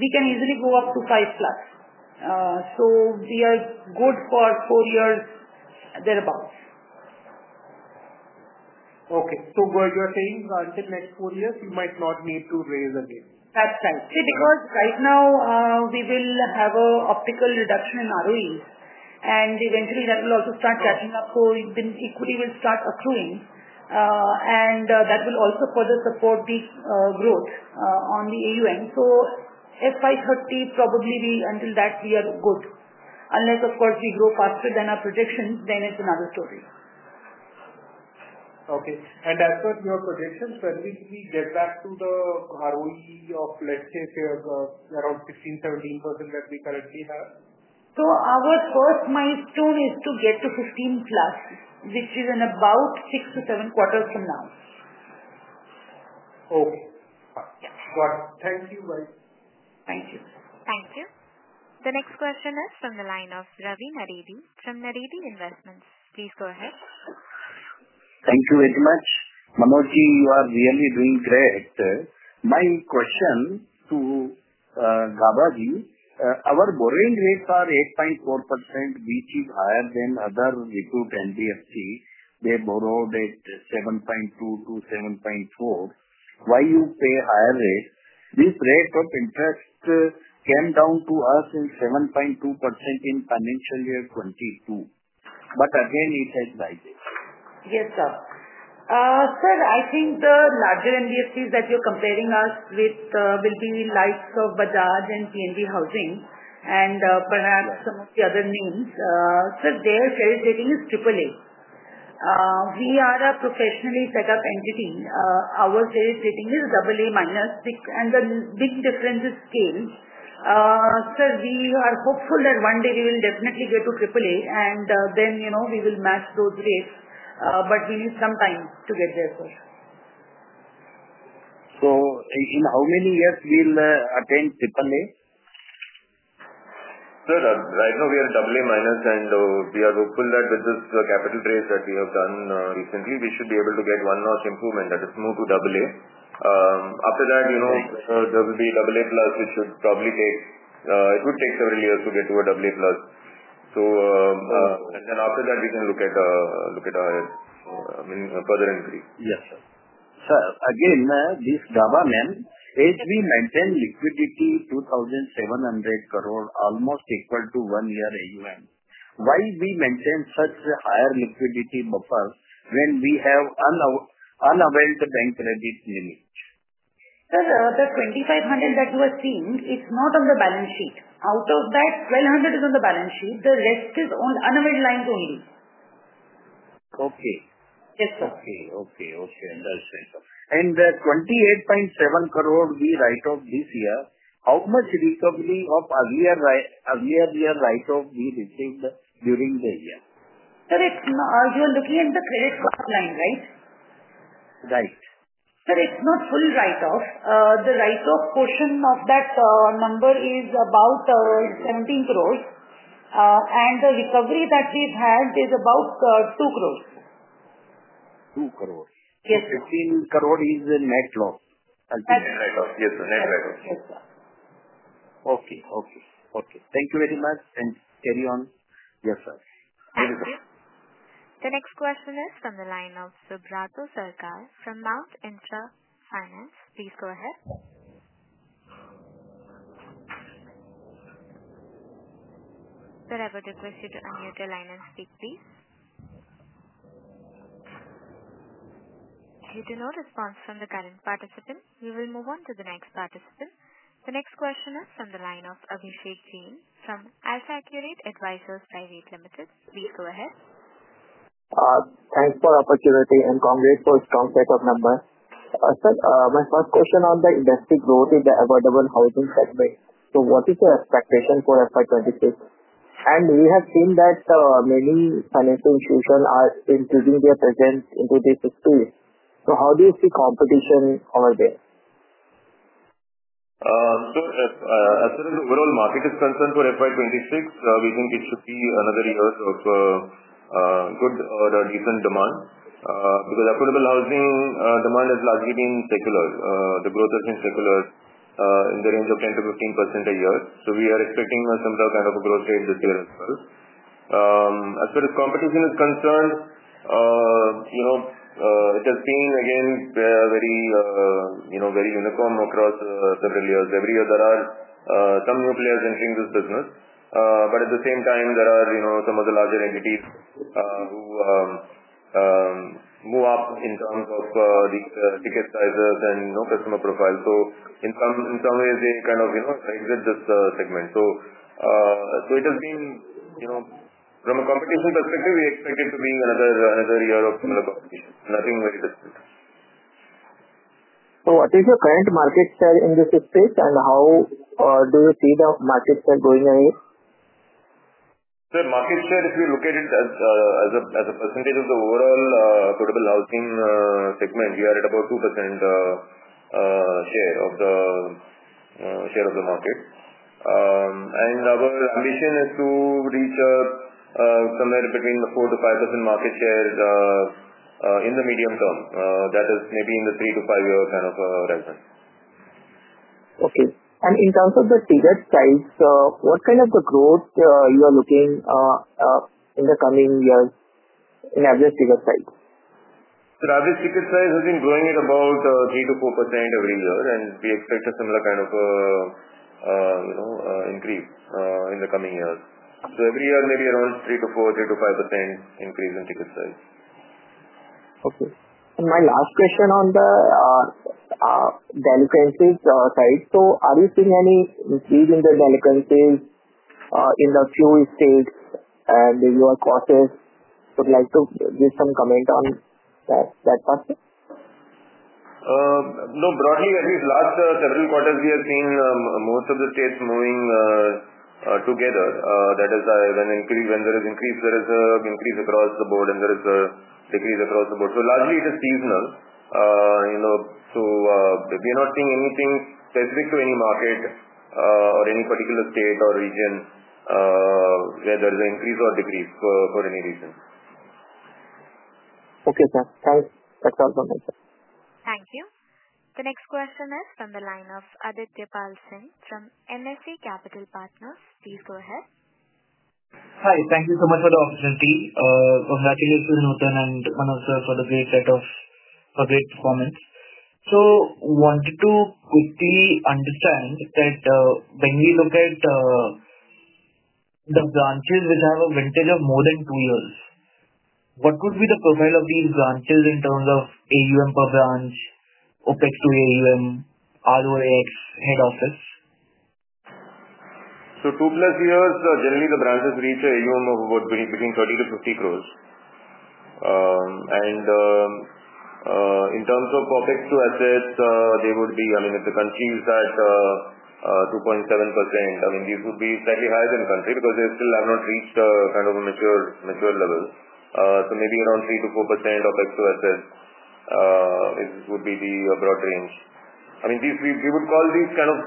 We can easily go up to 5%+. We are good for four years thereabouts. Okay. You are saying until next four years, you might not need to raise again? That's right. See, because right now, we will have an optical reduction in ROEs. Eventually, that will also start catching up. Equity will start accruing, and that will also further support the growth on the AUM. FY 2030, probably until that, we are good. Unless, of course, we grow faster than our projections, then it's another story. Okay. As per your projections, when will we get back to the ROE of, let's say, around 15%-17% that we currently have? Our first milestone is to get to 15 plus, which is in about six to seven quarters from now. Okay. Got it. Thank you, guys. Thank you. Thank you. The next question is from the line of Ravi Naredi from Naredi Investments, please go ahead. Thank you very much. Manoj, you are really doing great. My question to Gaba ji, our borrowing rates are 8.4%, which is higher than other reputed NBFC. They borrowed at 7.2%-7.4%. Why you pay higher rate? This rate of interest came down to us in 7.2% in financial year 2022. Again, it has risen. Yes, sir. Sir, I think the larger NBFCs that you're comparing us with will be likes of Bajaj Finance and PNB Housing and perhaps some of the other names. Sir, their credit rating is AAA. We are a professionally set up entity. Our credit rating is AA minus. The big difference is scale. Sir, we are hopeful that one day we will definitely get to AAA, and then we will match those rates. We need some time to get there, sir. In how many years will we attend AAA? Sir, right now, we are AA minus, and we are hopeful that with this capital raise that we have done recently, we should be able to get one notch improvement, that is, move to AA. After that, there will be AA plus, which should probably take it would take several years to get to AA plus. After that, we can look at further increase. Yes, sir. Sir, again, this Gaba man, as we maintain liquidity 2,700 crore, almost equal to one year AUM, why we maintain such a higher liquidity buffer when we have unavailed bank credit limit? Sir, the 2,500 that you are seeing, it's not on the balance sheet. Out of that, 1,200 is on the balance sheet. The rest is on unavailed lines only. Okay. Yes, sir. Okay. Okay. Okay. Understood. The 28.7 crore we write off this year, how much recovery of earlier year write-off we received during the year? Sir, you are looking at the credit card line, right? Right. Sir, it's not full write-off. The write-off portion of that number is about 17 crore. And the recovery that we've had is about 2 crore. 2 crore. Yes, sir. 15 crore is net loss. That's right. Net write-off. Yes, sir. Net write-off. Yes, sir. Okay. Okay. Thank you very much. Carry on. Yes, sir. Thank you. The next question is from the line of Subrato Sarkar from Mount Intra Finance. Please go ahead. Sir, I would request you to unmute your line and speak, please. If we do not respond from the current participant, we will move on to the next participant. The next question is from the line of Abhishek Jain from AlfAccurate Advisors Private Limited. Please go ahead. Thanks for the opportunity and congrats for strong setup number. Sir, my first question on the invested growth in the affordable housing segment. What is your expectation for FY 2026? We have seen that many financial institutions are increasing their presence into this space. How do you see competition over there? Sir, as far as the overall market is concerned for FY 2026, we think it should be another year of good or decent demand because affordable housing demand has largely been secular. The growth has been secular in the range of 10-15% a year. We are expecting some kind of a growth rate this year as well. As far as competition is concerned, it has been, again, very uniform across several years. Every year, there are some new players entering this business. At the same time, there are some of the larger entities who move up in terms of the ticket sizes and customer profiles. In some ways, they kind of exit this segment. From a competition perspective, we expect it to be another year of similar competition. Nothing very different. What is your current market share in this space, and how do you see the market share going ahead? Sir, market share, if you look at it as a percentage of the overall affordable housing segment, we are at about 2% share of the market. Our ambition is to reach somewhere between the 4-5% market share in the medium term. That is maybe in the three to five-year kind of horizon. Okay. In terms of the ticket size, what kind of growth are you looking in the coming years in average ticket size? Sir, average ticket size has been growing at about 3%-4% every year, and we expect a similar kind of increase in the coming years. Every year, maybe around 3%-4%, 3%-5% increase in ticket size. Okay. My last question on the delinquencies side. Are you seeing any increase in the delinquencies in a few states in your quarters? Would like to give some comment on that part? No, broadly, at least last several quarters, we have seen most of the states moving together. That is, when there is increase, there is an increase across the board, and there is a decrease across the board. Largely, it is seasonal. We are not seeing anything specific to any market or any particular state or region where there is an increase or decrease for any reason. Okay, sir. Thanks. That's all from me, sir. Thank you. The next question is from the line of Aditya Pal Singh from MSA Capital Partners. Please go ahead. Hi. Thank you so much for the opportunity. Congratulations, Nutan and Manoj, sir, for the great set of great performance. I wanted to quickly understand that when we look at the branches which have a vintage of more than two years, what would be the profile of these branches in terms of AUM per branch, OpEx to AUM, ROA, and head office? Two plus years, generally, the branches reach AUM of between 30-50 crore. In terms of OPEX to assets, they would be, I mean, if the country is at 2.7%, these would be slightly higher than country because they still have not reached kind of a mature level. Maybe around 3%-4% OpEx to assets would be the broad range. I mean, we would call these kind of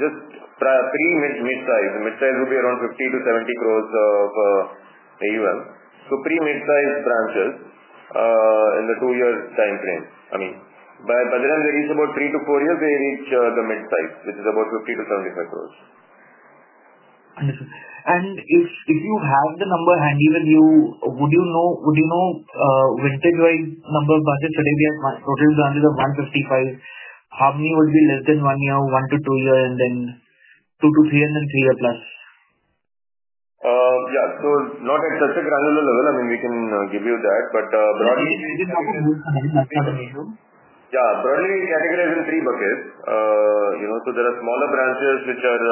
just pre-mid size. The mid size would be around 50 crore-70 crore of AUM. Pre-mid size branches in the two-year time frame. By the time they reach about three to four years, they reach the mid size, which is about 50 crore-75 crore. Understood. If you have the number handy with you, would you know vintage-wise number of branches? Today, we have total branches of 155. How many would be less than one year, one to two year, and then two to three, and then three year plus? Yeah. Not at such a granular level. I mean, we can give you that. Broadly. We can categorize it in three buckets. Yeah. Broadly, we categorize in three buckets. There are smaller branches which are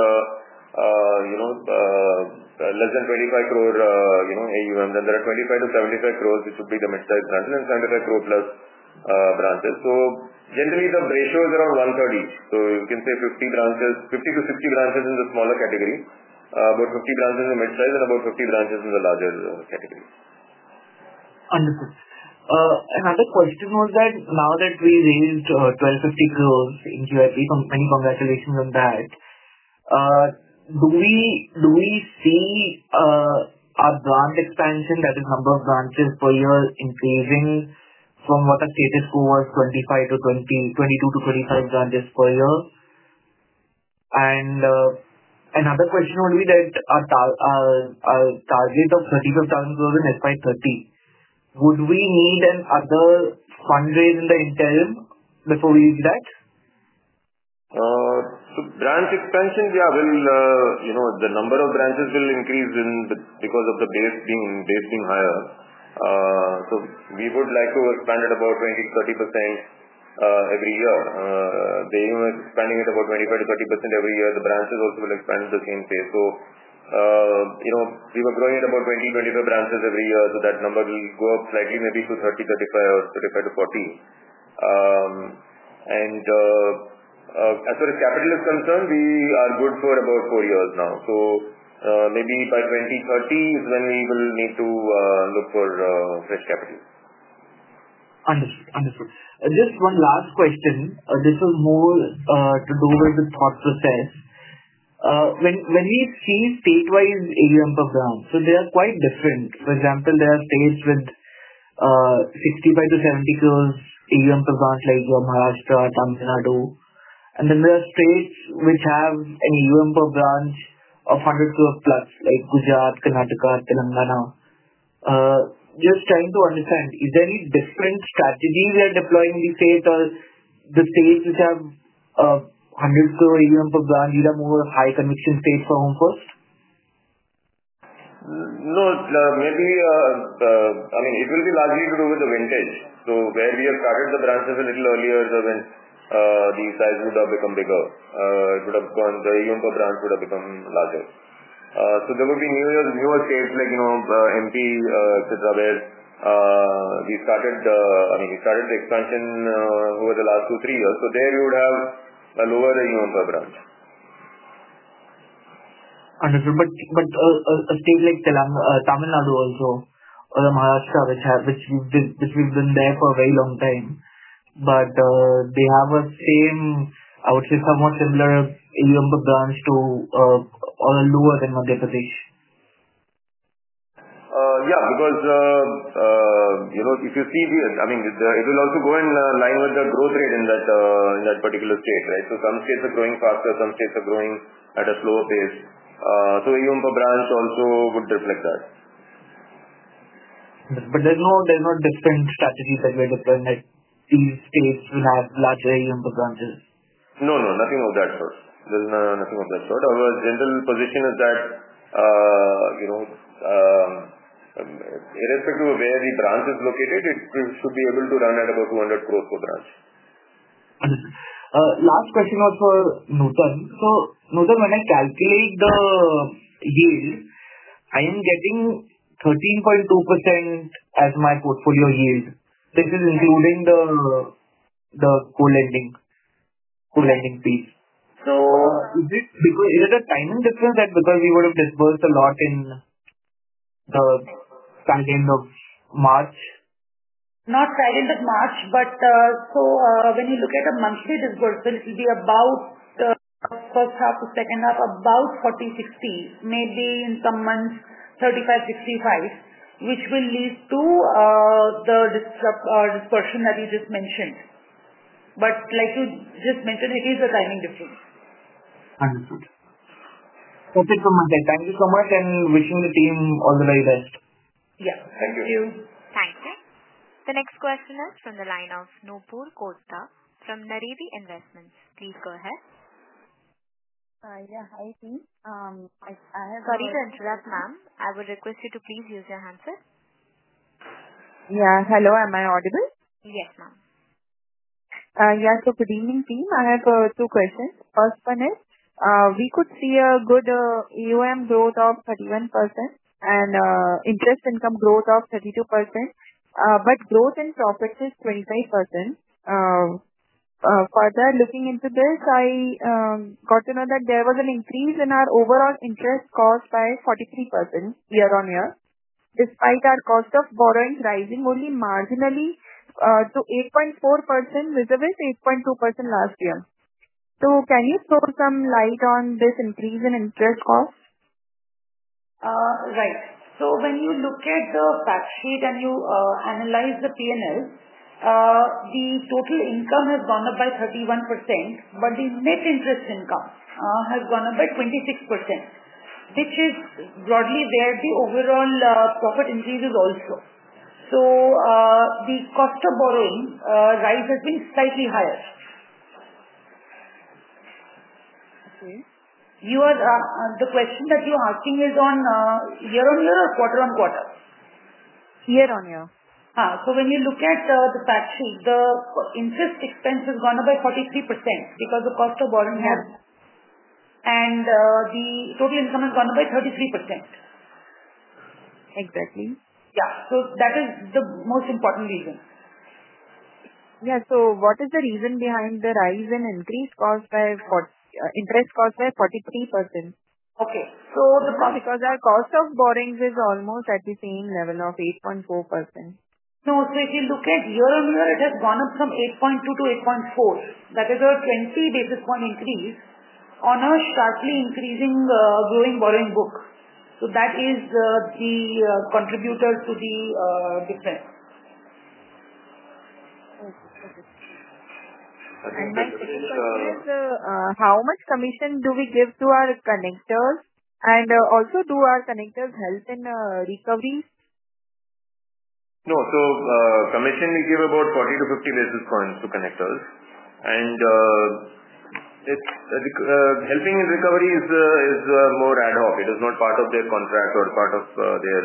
less than 25 crore AUM. Then there are 25 crore-75 crore, which would be the mid size branches, and 75 crore plus branches. Generally, the ratio is around 1:3:0. You can say 50-60 branches in the smaller category, about 50 branches in the mid size, and about 50 branches in the larger category. Understood. Another question was that now that we raised 1,250 crore in QIP, many congratulations on that. Do we see our branch expansion, that is, number of branches per year, increasing from what the status quo was, 22-25 branches per year? Another question would be that our target of 35,000 crore in FY 2030, would we need another fundraise in the interim before we reach that? Branch expansion, yeah, the number of branches will increase because of the base being higher. We would like to expand it about 20%-30% every year. They are expanding it about 25%-30% every year. The branches also will expand in the same phase. We were growing at about 20-25 branches every year. That number will go up slightly, maybe to 30%-35%, or 35%-40%. As far as capital is concerned, we are good for about four years now. Maybe by 2030 is when we will need to look for fresh capital. Understood. Understood. Just one last question. This is more to do with the thought process. When we see statewise AUM per branch, they are quite different. For example, there are states with 65-70 crore AUM per branch, like Maharashtra, Tamil Nadu. Then there are states which have an AUM per branch of 100 crore plus, like Gujarat, Karnataka, Telangana. Just trying to understand, is there any different strategy we are deploying in these states, or the states which have 100 crore AUM per branch will have more high conviction state for Home First? No. Maybe I mean, it will be largely to do with the vintage. Where we have started the branches a little earlier, the size would have become bigger. The AUM per branch would have become larger. There would be newer states like Madhya Pradesh, etc., where we started the expansion over the last two, three years. There we would have a lower AUM per branch. Understood. A state like Tamil Nadu also or Maharashtra, which we've been there for a very long time, but they have a same, I would say, somewhat similar AUM per branch to or lower than Madhya Pradesh? Yeah. Because if you see this, I mean, it will also go in line with the growth rate in that particular state, right? Some states are growing faster. Some states are growing at a slower pace. AUM per branch also would reflect that. There's no different strategy that we are deploying that these states will have larger AUM per branches? No, no. Nothing of that sort. There's nothing of that sort. Our general position is that irrespective of where the branch is located, it should be able to run at about 200 crore per branch. Understood. Last question was for Nutan. So Nutan, when I calculate the yield, I am getting 13.2% as my portfolio yield. This is including the co-lending piece. So is it a timing difference that because we would have disbursed a lot at the start end of March? Not start end of March, but when you look at a monthly disbursement, it will be about. The first half to second half, about 40/60, maybe in some months 35/65, which will lead to the disbursement that you just mentioned. Like you just mentioned, it is a timing difference. Understood. Okay, so Madhya, thank you so much and wishing the team all the very best. Yeah. Thank you. Thank you. The next question is from the line of [Nupur Kotha from Nirivi Investments], please go ahead. Yeah. Hi, team. I have. Sorry to interrupt, ma'am. I would request you to please use your handset. Yeah. Hello. Am I audible? Yes, ma'am. Yeah. Good evening, team. I have two questions. First one is we could see a good AUM growth of 31% and interest income growth of 32%, but growth in profits is 25%. Further looking into this, I got to know that there was an increase in our overall interest cost by 43% year-on-year, despite our cost of borrowing rising only marginally to 8.4% vis-à-vis 8.2% last year. Can you throw some light on this increase in interest cost? Right. When you look at the fact sheet and you analyze the P&L, the total income has gone up by 31%, but the net interest income has gone up by 26%, which is broadly where the overall profit increase is also. The cost of borrowing rise has been slightly higher. The question that you're asking is on year on year or quarter on quarter? Year on year. When you look at the fact sheet, the interest expense has gone up by 43% because the cost of borrowing has and the total income has gone up by 33%. Exactly. Yeah, that is the most important reason. Yeah. What is the reason behind the rise in interest cost by 43%? Okay. So the cost. Because our cost of borrowing is almost at the same level of 8.4%. No. If you look at year on year, it has gone up from 8.2%-8.4%. That is a 20 basis point increase on a sharply increasing growing borrowing book. That is the contributor to the difference. My question is how much commission do we give to our connectors? Also, do our connectors help in recovery? No. Commission we give about 40-50 basis points to connectors. Helping in recovery is more ad hoc. It is not part of their contract or part of their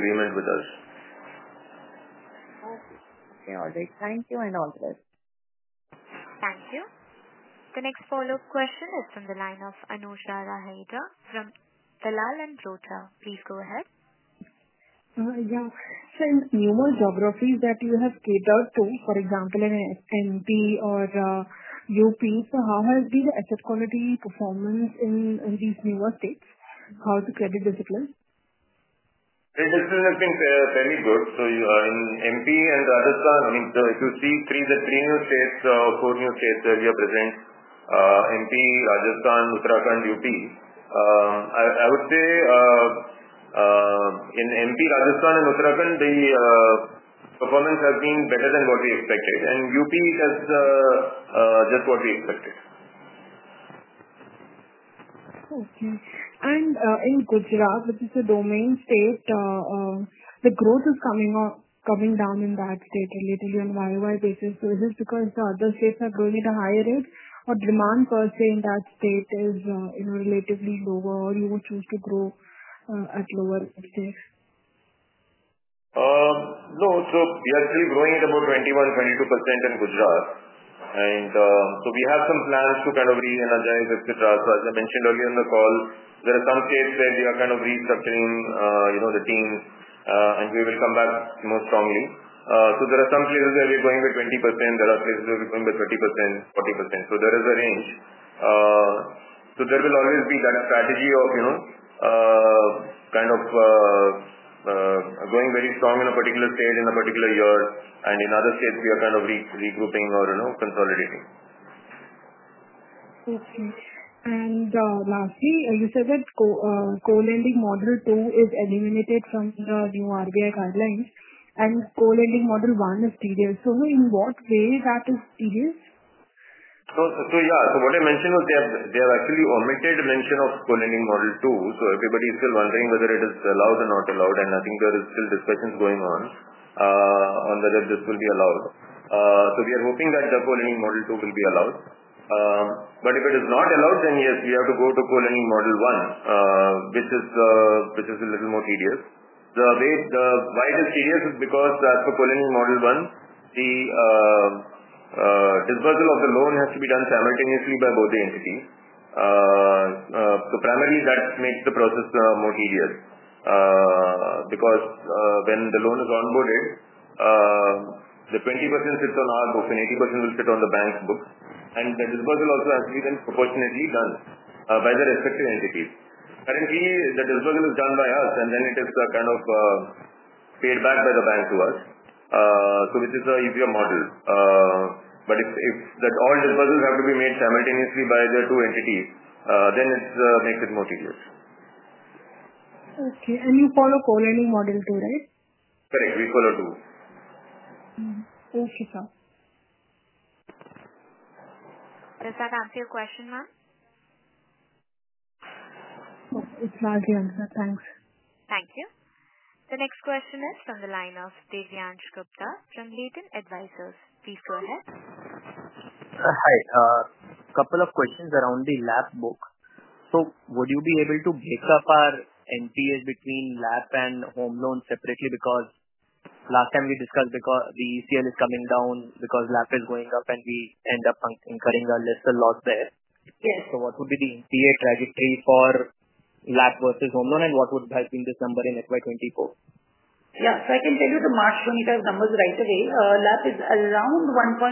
agreement with us. Okay. All right. Thank you and all the best. Thank you. The next follow-up question is from the line of Anusha Raheja from Dalal & Broacha. Please go ahead. Yeah. In the newer geographies that you have catered to, for example, in Madhya Pradesh or Uttar Pradesh, how has been the asset quality performance in these newer states? How is the credit discipline? Credit discipline has been fairly good. In Madhya Pradesh and Rajasthan, I mean, if you see the three new states or four new states where we are present, Madhya Pradesh, Rajasthan, Uttarakhand, Uttar Pradesh, I would say in Madhya Pradesh, Rajasthan, and Uttarakhand, the performance has been better than what we expected. Uttar Pradesh has just what we expected. Okay. In Gujarat, which is the domain state, the growth is coming down in that state relatively on a YOY basis. Is it because the other states are growing at a higher rate, or demand per se in that state is relatively lower, or you would choose to grow at lower rates there? No. We are still growing at about 21%-22% in Gujarat. We have some plans to kind of re-energize, etc. As I mentioned earlier in the call, there are some states where we are kind of restructuring the team, and we will come back more strongly. There are some places where we're growing by 20%. There are places where we're growing by 30%-40%. There is a range. There will always be that strategy of kind of going very strong in a particular state in a particular year. In other states, we are kind of regrouping or consolidating. Okay. Lastly, you said that co-lending model two is eliminated from the new RBI guidelines, and co-lending model one is tedious. In what way is that tedious? Yeah. What I mentioned was they have actually omitted mention of co-lending model two. Everybody is still wondering whether it is allowed or not allowed. I think there are still discussions going on on whether this will be allowed. We are hoping that the co-lending model two will be allowed. If it is not allowed, then yes, we have to go to co-lending model one, which is a little more tedious. Why it is tedious is because as for co-lending model one, the disbursal of the loan has to be done simultaneously by both the entities. Primarily, that makes the process more tedious because when the loan is onboarded, the 20% sits on our book, and 80% will sit on the bank's book. The disbursal also has to be then proportionately done by the respective entities. Currently, the disbursal is done by us, and then it is kind of paid back by the bank to us, which is an easier model. If all disbursals have to be made simultaneously by the two entities, it makes it more tedious. Okay. You follow co-lending model too, right? Correct. We follow two. Okay. Does that answer your question, ma'am? It's largely answered. Thanks. Thank you. The next question is from the line of Divyansh Gupta from Latent Advisors. Please go ahead. Hi. A couple of questions around the LAP book. Would you be able to break up our NPAs between LAP and home loan separately? Last time we discussed the ECL is coming down because LAP is going up, and we end up incurring a lesser loss there. What would be the NPA trajectory for LAP versus home loan, and what would have been this number in FY 2024? Yeah. I can tell you the March 2025 numbers right away. LAP is around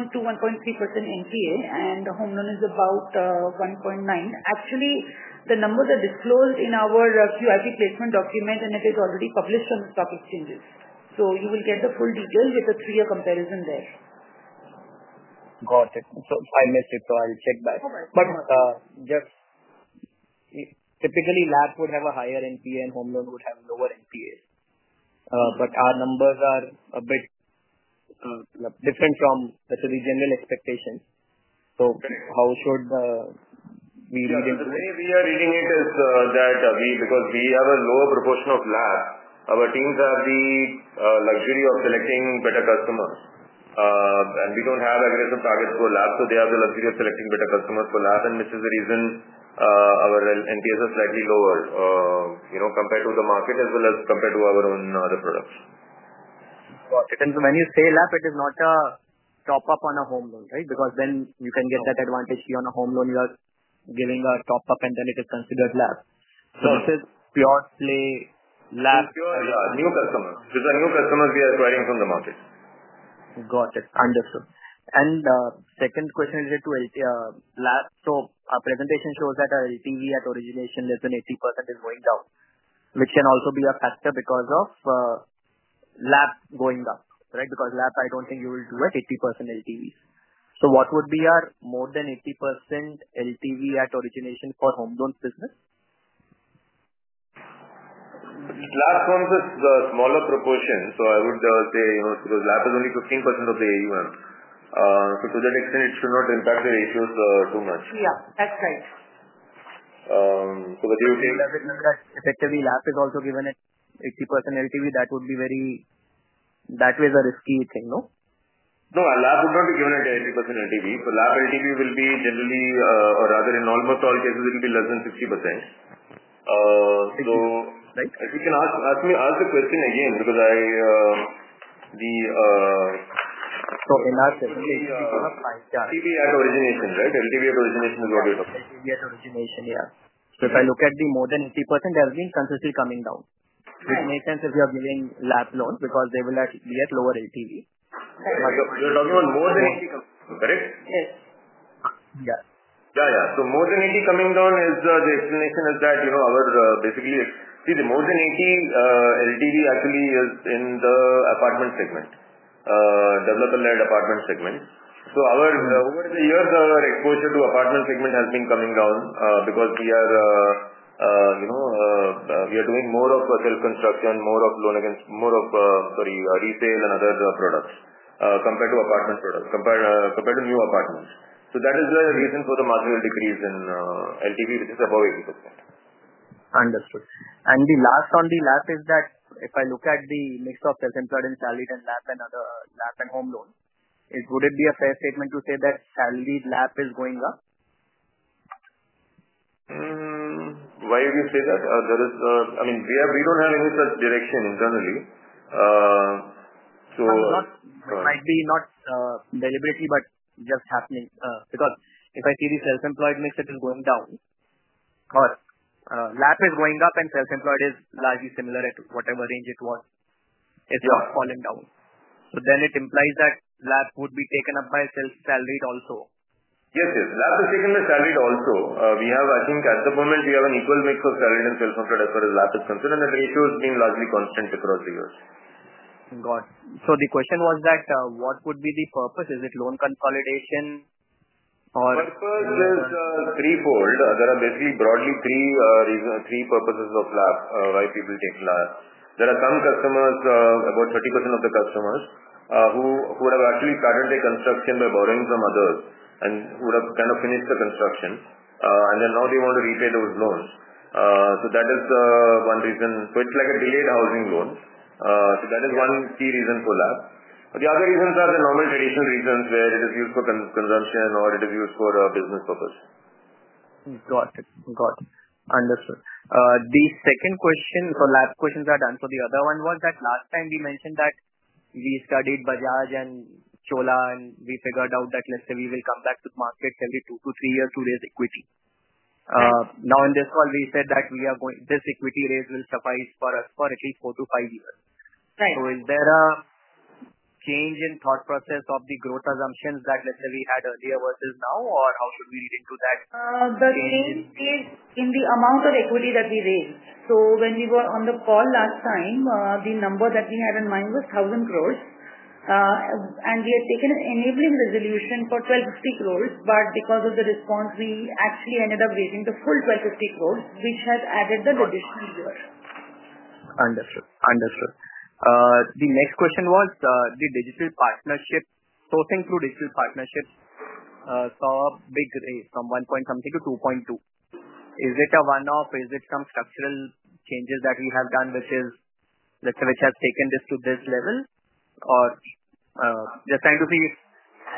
1.2%-1.3% NPA, and home loan is about 1.9%. Actually, the numbers are disclosed in our QIP placement document, and it is already published on the stock exchanges. You will get the full details with a three-year comparison there. Got it. I missed it, so I'll check back. No worries. Typically, LAP would have a higher NPA, and home loan would have lower NPAs. Our numbers are a bit different from the general expectation. How should we read into it? The way we are reading it is that because we have a lower proportion of LAP, our teams have the luxury of selecting better customers. We do not have aggressive targets for LAP, so they have the luxury of selecting better customers for LAP. This is the reason our NPAs are slightly lower compared to the market as well as compared to our own other products. Got it. When you say LAP, it is not a top-up on a home loan, right? Because then you can get that advantage on a home loan. You are giving a top-up, and then it is considered LAP. This is pure play LAP. It's pure new customers. These are new customers we are acquiring from the market. Got it. Understood. Second question related to LAP. Our presentation shows that our LTV at origination, less than 80%, is going down, which can also be a factor because of LAP going up, right? Because LAP, I do not think you will do at 80% LTVs. What would be our more than 80% LTV at origination for home loan business? LAP forms a smaller proportion. I would say because LAP is only 15% of the AUM. To that extent, it should not impact the ratios too much. Yeah, that's right. What do you think? Does it mean that effectively LAP is also given at 80% LTV? That would be very, that way is a risky thing, no? No. LAP would not be given at 80% LTV. LAP LTV will be generally or rather in almost all cases, it will be less than 60%. Right. If you can ask me the question again because the.In that. LAP LTV at origination, right? LTV at origination is what you're talking about. LTV at origination, yeah. If I look at the more than 80%, they have been consistently coming down, which makes sense if you are giving LAP loans because they will be at lower LTV. You're talking about more than 80%, correct? Yes. Yeah. Yeah. More than 80 coming down, the explanation is that our basically, see, the more than 80% LTV actually is in the apartment seg%ment, developer-led apartment segment. Over the years, our exposure to apartment segment has been coming down because we are doing more of self-construction, more of loan against, more of, sorry, resale and other products compared to apartment products, compared to new apartments. That is the reason for the marginal decrease in LTV, which is above 80%. Understood. The last on the LAP is that if I look at the mix of self-employed and salaried and LAP and other LAP and home loans, would it be a fair statement to say that salaried LAP is going up? Why would you say that? I mean, we don't have any such direction internally. It might be not deliberately, but just happening. Because if I see the self-employed mix that is going down, but LAP is going up and self-employed is largely similar at whatever range it was. It's not falling down. So then it implies that LAP would be taken up by self-salaried also. Yes. Yes. LAP is taken by salaried also. We have, I think, at the moment, we have an equal mix of salaried and self-employed as far as LAP is concerned. That ratio has been largely constant across the years. Got it. The question was that what would be the purpose? Is it loan consolidation or? The purpose is threefold. There are basically broadly three purposes of LAP, why people take LAP. There are some customers, about 30% of the customers, who have actually started their construction by borrowing from others and would have kind of finished the construction. Now they want to repay those loans. That is one reason. It is like a delayed housing loan. That is one key reason for LAP. The other reasons are the normal traditional reasons where it is used for consumption or it is used for business purpose. Got it. Got it. Understood. The second question for LAP questions are done. The other one was that last time we mentioned that we studied Bajaj and Chola, and we figured out that let's say we will come back to the market every two to three years to raise equity. Now in this call, we said that this equity raise will suffice for us for at least four to five years. Is there a change in thought process of the growth assumptions that let's say we had earlier versus now, or how should we read into that? The change is in the amount of equity that we raised. When we were on the call last time, the number that we had in mind was 1,000 crore. We had taken an enabling resolution for 1,250 crore, but because of the response, we actually ended up raising the full 1,250 crore, which has added the additional year. Understood. Understood. The next question was the digital partnership. Sourcing through digital partnerships saw a big raise from 1. something to 2.2. Is it a one-off? Is it some structural changes that we have done, let's say, which has taken this to this level? Just trying to see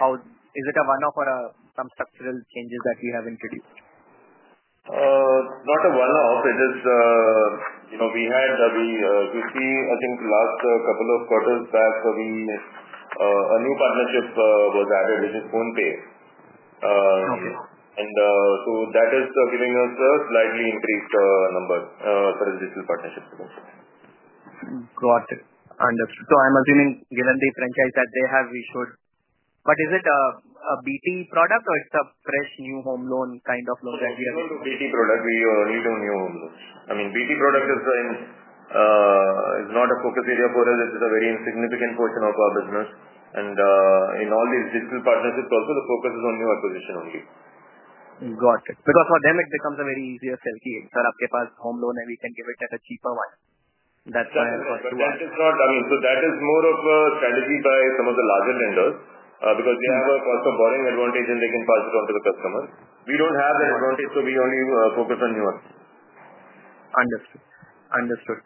how is it a one-off or some structural changes that we have introduced? Not a one-off. We had the, we see, I think, last couple of quarters back, a new partnership was added, which is CoinPay. That is giving us a slightly increased number for the digital partnership. Got it. Understood. I'm assuming given the franchise that they have, we should, but is it a BT product or it's a fresh new home loan kind of loan that we are looking at? It's not a BT product. We need new home loans. I mean, BT product is not a focus area for us. It is a very insignificant portion of our business. In all these digital partnerships, also, the focus is on new acquisition only. Got it. Because for them, it becomes a very easier sell. Hey, sir, I have a home loan and we can give it at a cheaper one. That's why I asked you. It is not, I mean, that is more of a strategy by some of the larger lenders because they have a cost of borrowing advantage and they can pass it on to the customers. We do not have that advantage, so we only focus on new ones. Understood. Understood.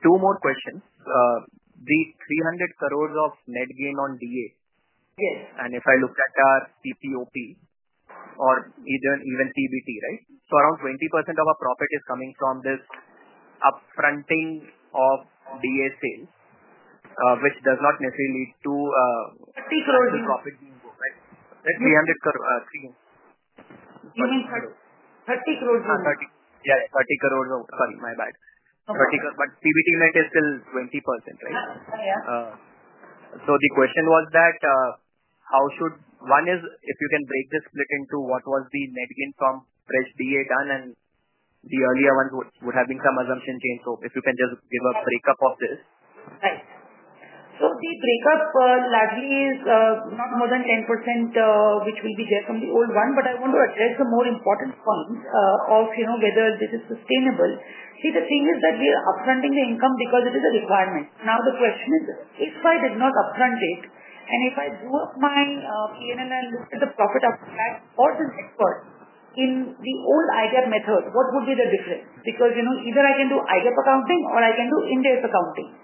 Two more questions. The 300 crore of net gain on DA. Yes. If I look at our CPOP or even PBT, right? Around 20% of our profit is coming from this upfronting of DA sales, which does not necessarily lead to the profit being grown, right? 300 crores. Even 30. 30 crores. 30 crores. Sorry, my bad. PBT net is still 20%, right? Yeah. The question was that how should one is if you can break this split into what was the net gain from fresh DA done and the earlier ones would have been some assumption change. If you can just give a breakup of this. Right. The breakup largely is not more than 10%, which will be there from the old one. I want to address the more important points of whether this is sustainable. See, the thing is that we are upfronting the income because it is a requirement. Now the question is, if I did not upfront it and if I drew up my P&L and looked at the profit after that for the net worth in the old IGAP method, what would be the difference? Because either I can do IGAP accounting or I can do in-depth accounting.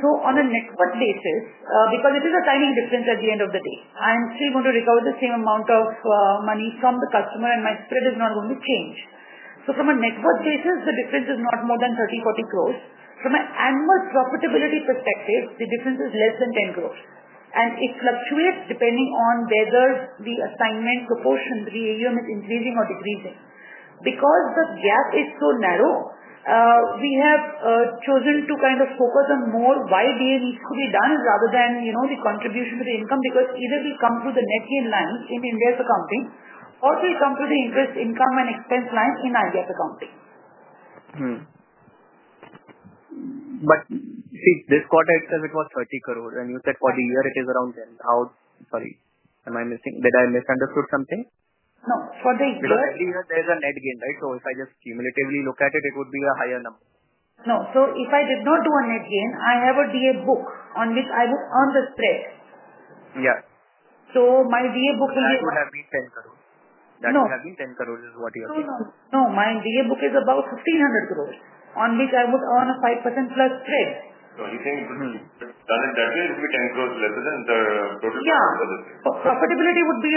On a net worth basis, because it is a tiny difference at the end of the day, I'm still going to recover the same amount of money from the customer and my spread is not going to change. From a net worth basis, the difference is not more than 30-40 crores. From an annual profitability perspective, the difference is less than 10 crores. It fluctuates depending on whether the assignment proportion, the AUM, is increasing or decreasing. Because the gap is so narrow, we have chosen to kind of focus on more why DA needs to be done rather than the contribution to the income because either we come through the net gain line in India's accounting or we come through the interest income and expense line in IGAP accounting. See, this quarter, it says it was 30 crore, and you said for the year it is around 10. How, sorry, am I missing? Did I misunderstand something? No. For the year. Basically, there is a net gain, right? If I just cumulatively look at it, it would be a higher number. No. If I did not do a net gain, I have a DA book on which I would earn the spread. Yeah. My DA book will be. That would have been 10 crores. That would have been 10 crores is what you are saying. No. No. No. My DA book is about 1,500 crore on which I would earn a 5% plus spread. You think done in that way, it would be 10 crore less than the total profitability. Yeah. Profitability would be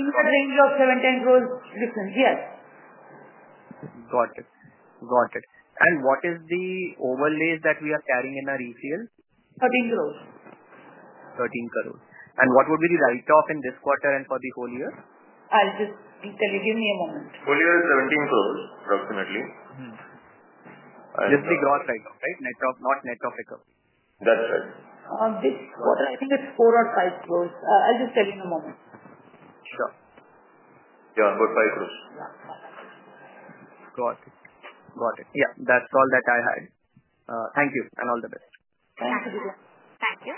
in that range of 7 crore-10 crore difference, yes. Got it. Got it. What is the overlays that we are carrying in our resale? 13 crores. 13 crores. What would be the write-off in this quarter and for the whole year? I'll just tell you. Give me a moment. Whole year is 17 crore approximately. Just the gross write-off, right? Not net of recovery. That's right. This quarter, I think it's 4 crore or 5 crores. I'll just tell you in a moment. Sure. Yeah. About 5 crore. Got it. Got it. Yeah. That's all that I had. Thank you and all the best. Thank you. Thank you.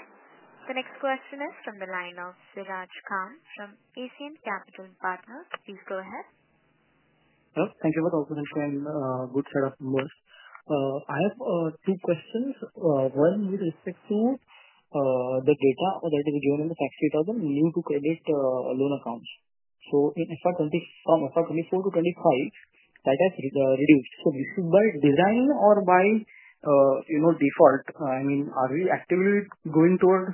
The next question is from the line of Siraj Khan from ACN Capital Partners. Please go ahead. Hello. Thank you for the opportunity and good set of numbers. I have two questions. One with respect to the data that is given in the tax return new to credit loan accounts. From FY 2024 to 2025, that has reduced. Is this by design or by default? I mean, are we actively going toward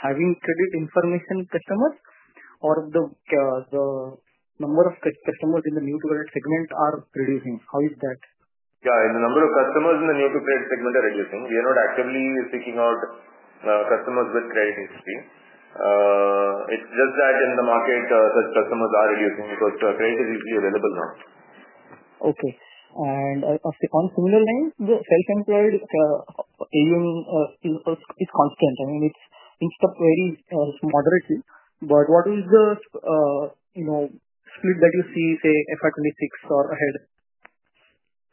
having credit information customers or are the number of customers in the new-to-credit segment reducing? How is that? Yeah. The number of customers in the new-to-credit segment are reducing. We are not actively seeking out customers with credit history. It's just that in the market, such customers are reducing because credit is easily available now. Okay. On a similar line, the self-employed AUM is constant. I mean, it's picked up very moderately. What is the split that you see, say, FY 2026 or ahead?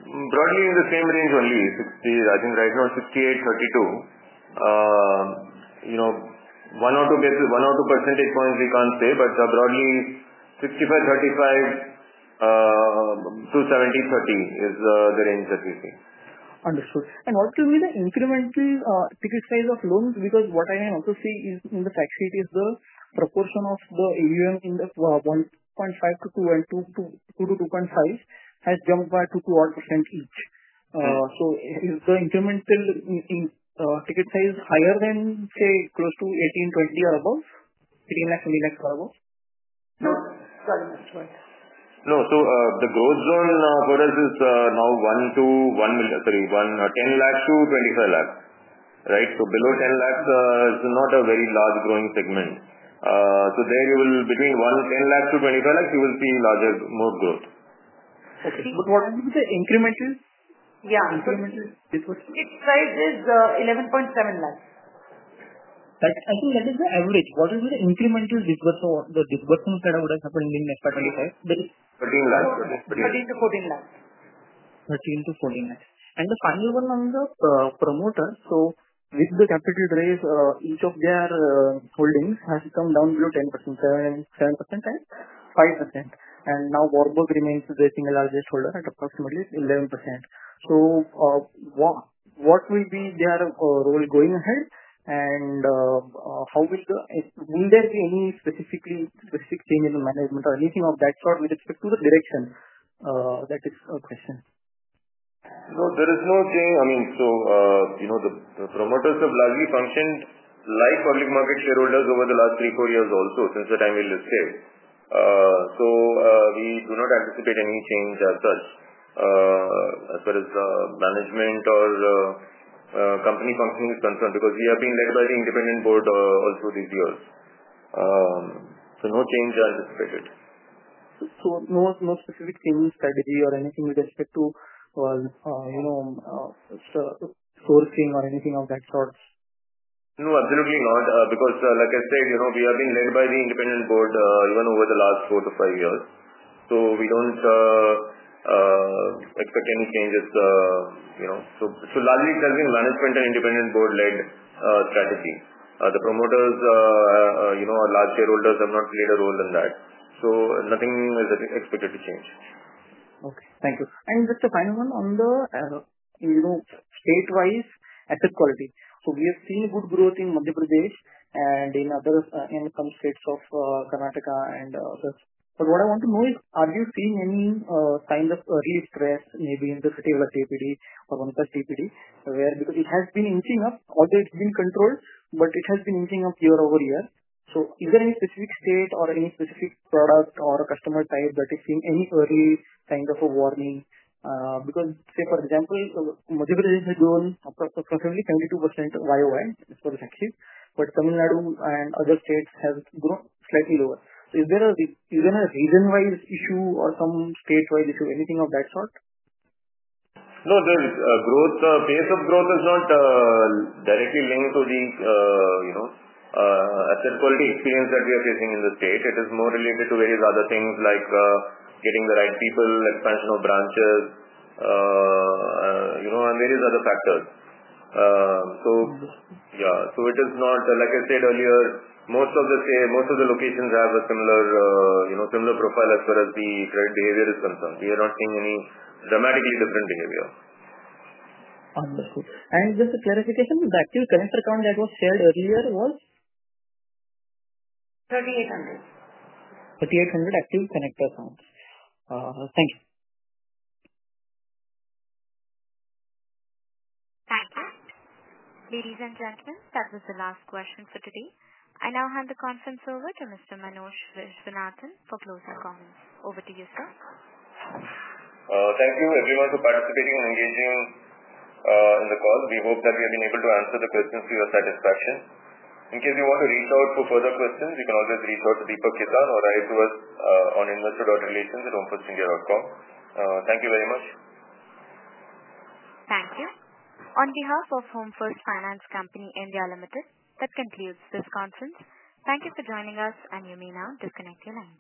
Broadly, in the same range only. I think right now it's 68, 32. One or two percentage points we can't say, but broadly, 65, 35, 270, 30 is the range that we see. Understood. What will be the incremental ticket size of loans? Because what I also see in the facts sheet is the proportion of the AUM in the 1.5%-2%, 2%-2.5% has jumped by 2%-8% each. Is the incremental ticket size higher than, say, close to 18, 20 or above? 18 lakhs, 20 lakhs or above? No. Sorry. No. The growth zone for us is now 1 million crore-1 million. Sorry, 10 lakh-25 lakh, right? Below 10 lakh, it is not a very large growing segment. There, between 10 lakh-25 lakh, you will see larger, more growth. Okay. What will be the incremental? Yeah. Incremental disbursement? Ticket size is 1.17 million lakh. I think that is the average. What will be the incremental disbursement that would have happened in FY 2025? 13 lakhs. 13 lakh-14 lakhs. 13 lakh-14 lakhs. The final one on the promoters. With the capital raise, each of their holdings has come down below 10%, 7%, 5%. Now Warburg remains the single largest holder at approximately 11%. What will be their role going ahead? How will there be any specific change in the management or anything of that sort with respect to the direction? That is a question. No. There is no change. I mean, the promoters have largely functioned like public market shareholders over the last three, four years also, since the time we live, say. We do not anticipate any change as such as far as management or company functioning is concerned because we have been led by the independent board also these years. No change anticipated. No specific change in strategy or anything with respect to sourcing or anything of that sort? No. Absolutely not. Like I said, we have been led by the independent board even over the last four to five years. We do not expect any changes. Largely, it has been management and independent board-led strategy. The promoters or large shareholders have not played a role in that. Nothing is expected to change. Okay. Thank you. Just the final one on the state-wise asset quality. We have seen good growth in Madhya Pradesh and in some states of Karnataka. What I want to know is, are you seeing any kind of early stress maybe in the CITEVALA TPD or VANKAS TPD? It has been inching up. Although it has been controlled, it has been inching up year over year. Is there any specific state or any specific product or customer type that is seeing any early kind of a warning? For example, Madhya Pradesh has grown approximately 72% YOY as far as I see. Tamil Nadu and other states have grown slightly lower. Is there a region-wide issue or some state-wide issue, anything of that sort? No. The growth pace of growth is not directly linked to the asset quality experience that we are facing in the state. It is more related to various other things like getting the right people, expansion of branches, and various other factors. Yeah. It is not, like I said earlier, most of the locations have a similar profile as far as the credit behavior is concerned. We are not seeing any dramatically different behavior. Understood. Just a clarification, the active connector account that was shared earlier was? 3,800. 3,800 active connector accounts. Thank you. Fantastic. Ladies and gentlemen, that was the last question for today. I now hand the conference over to Mr. Manoj Viswanathan for closing comments. Over to you, sir. Thank you everyone for participating and engaging in the call. We hope that we have been able to answer the questions to your satisfaction. In case you want to reach out for further questions, you can always reach out to Deepak Khetan or write to us on investor.relations@homefirstindia.com. Thank you very much. Thank you. On behalf of Home First Finance Company India Limited, that concludes this conference. Thank you for joining us and you may now disconnect your line.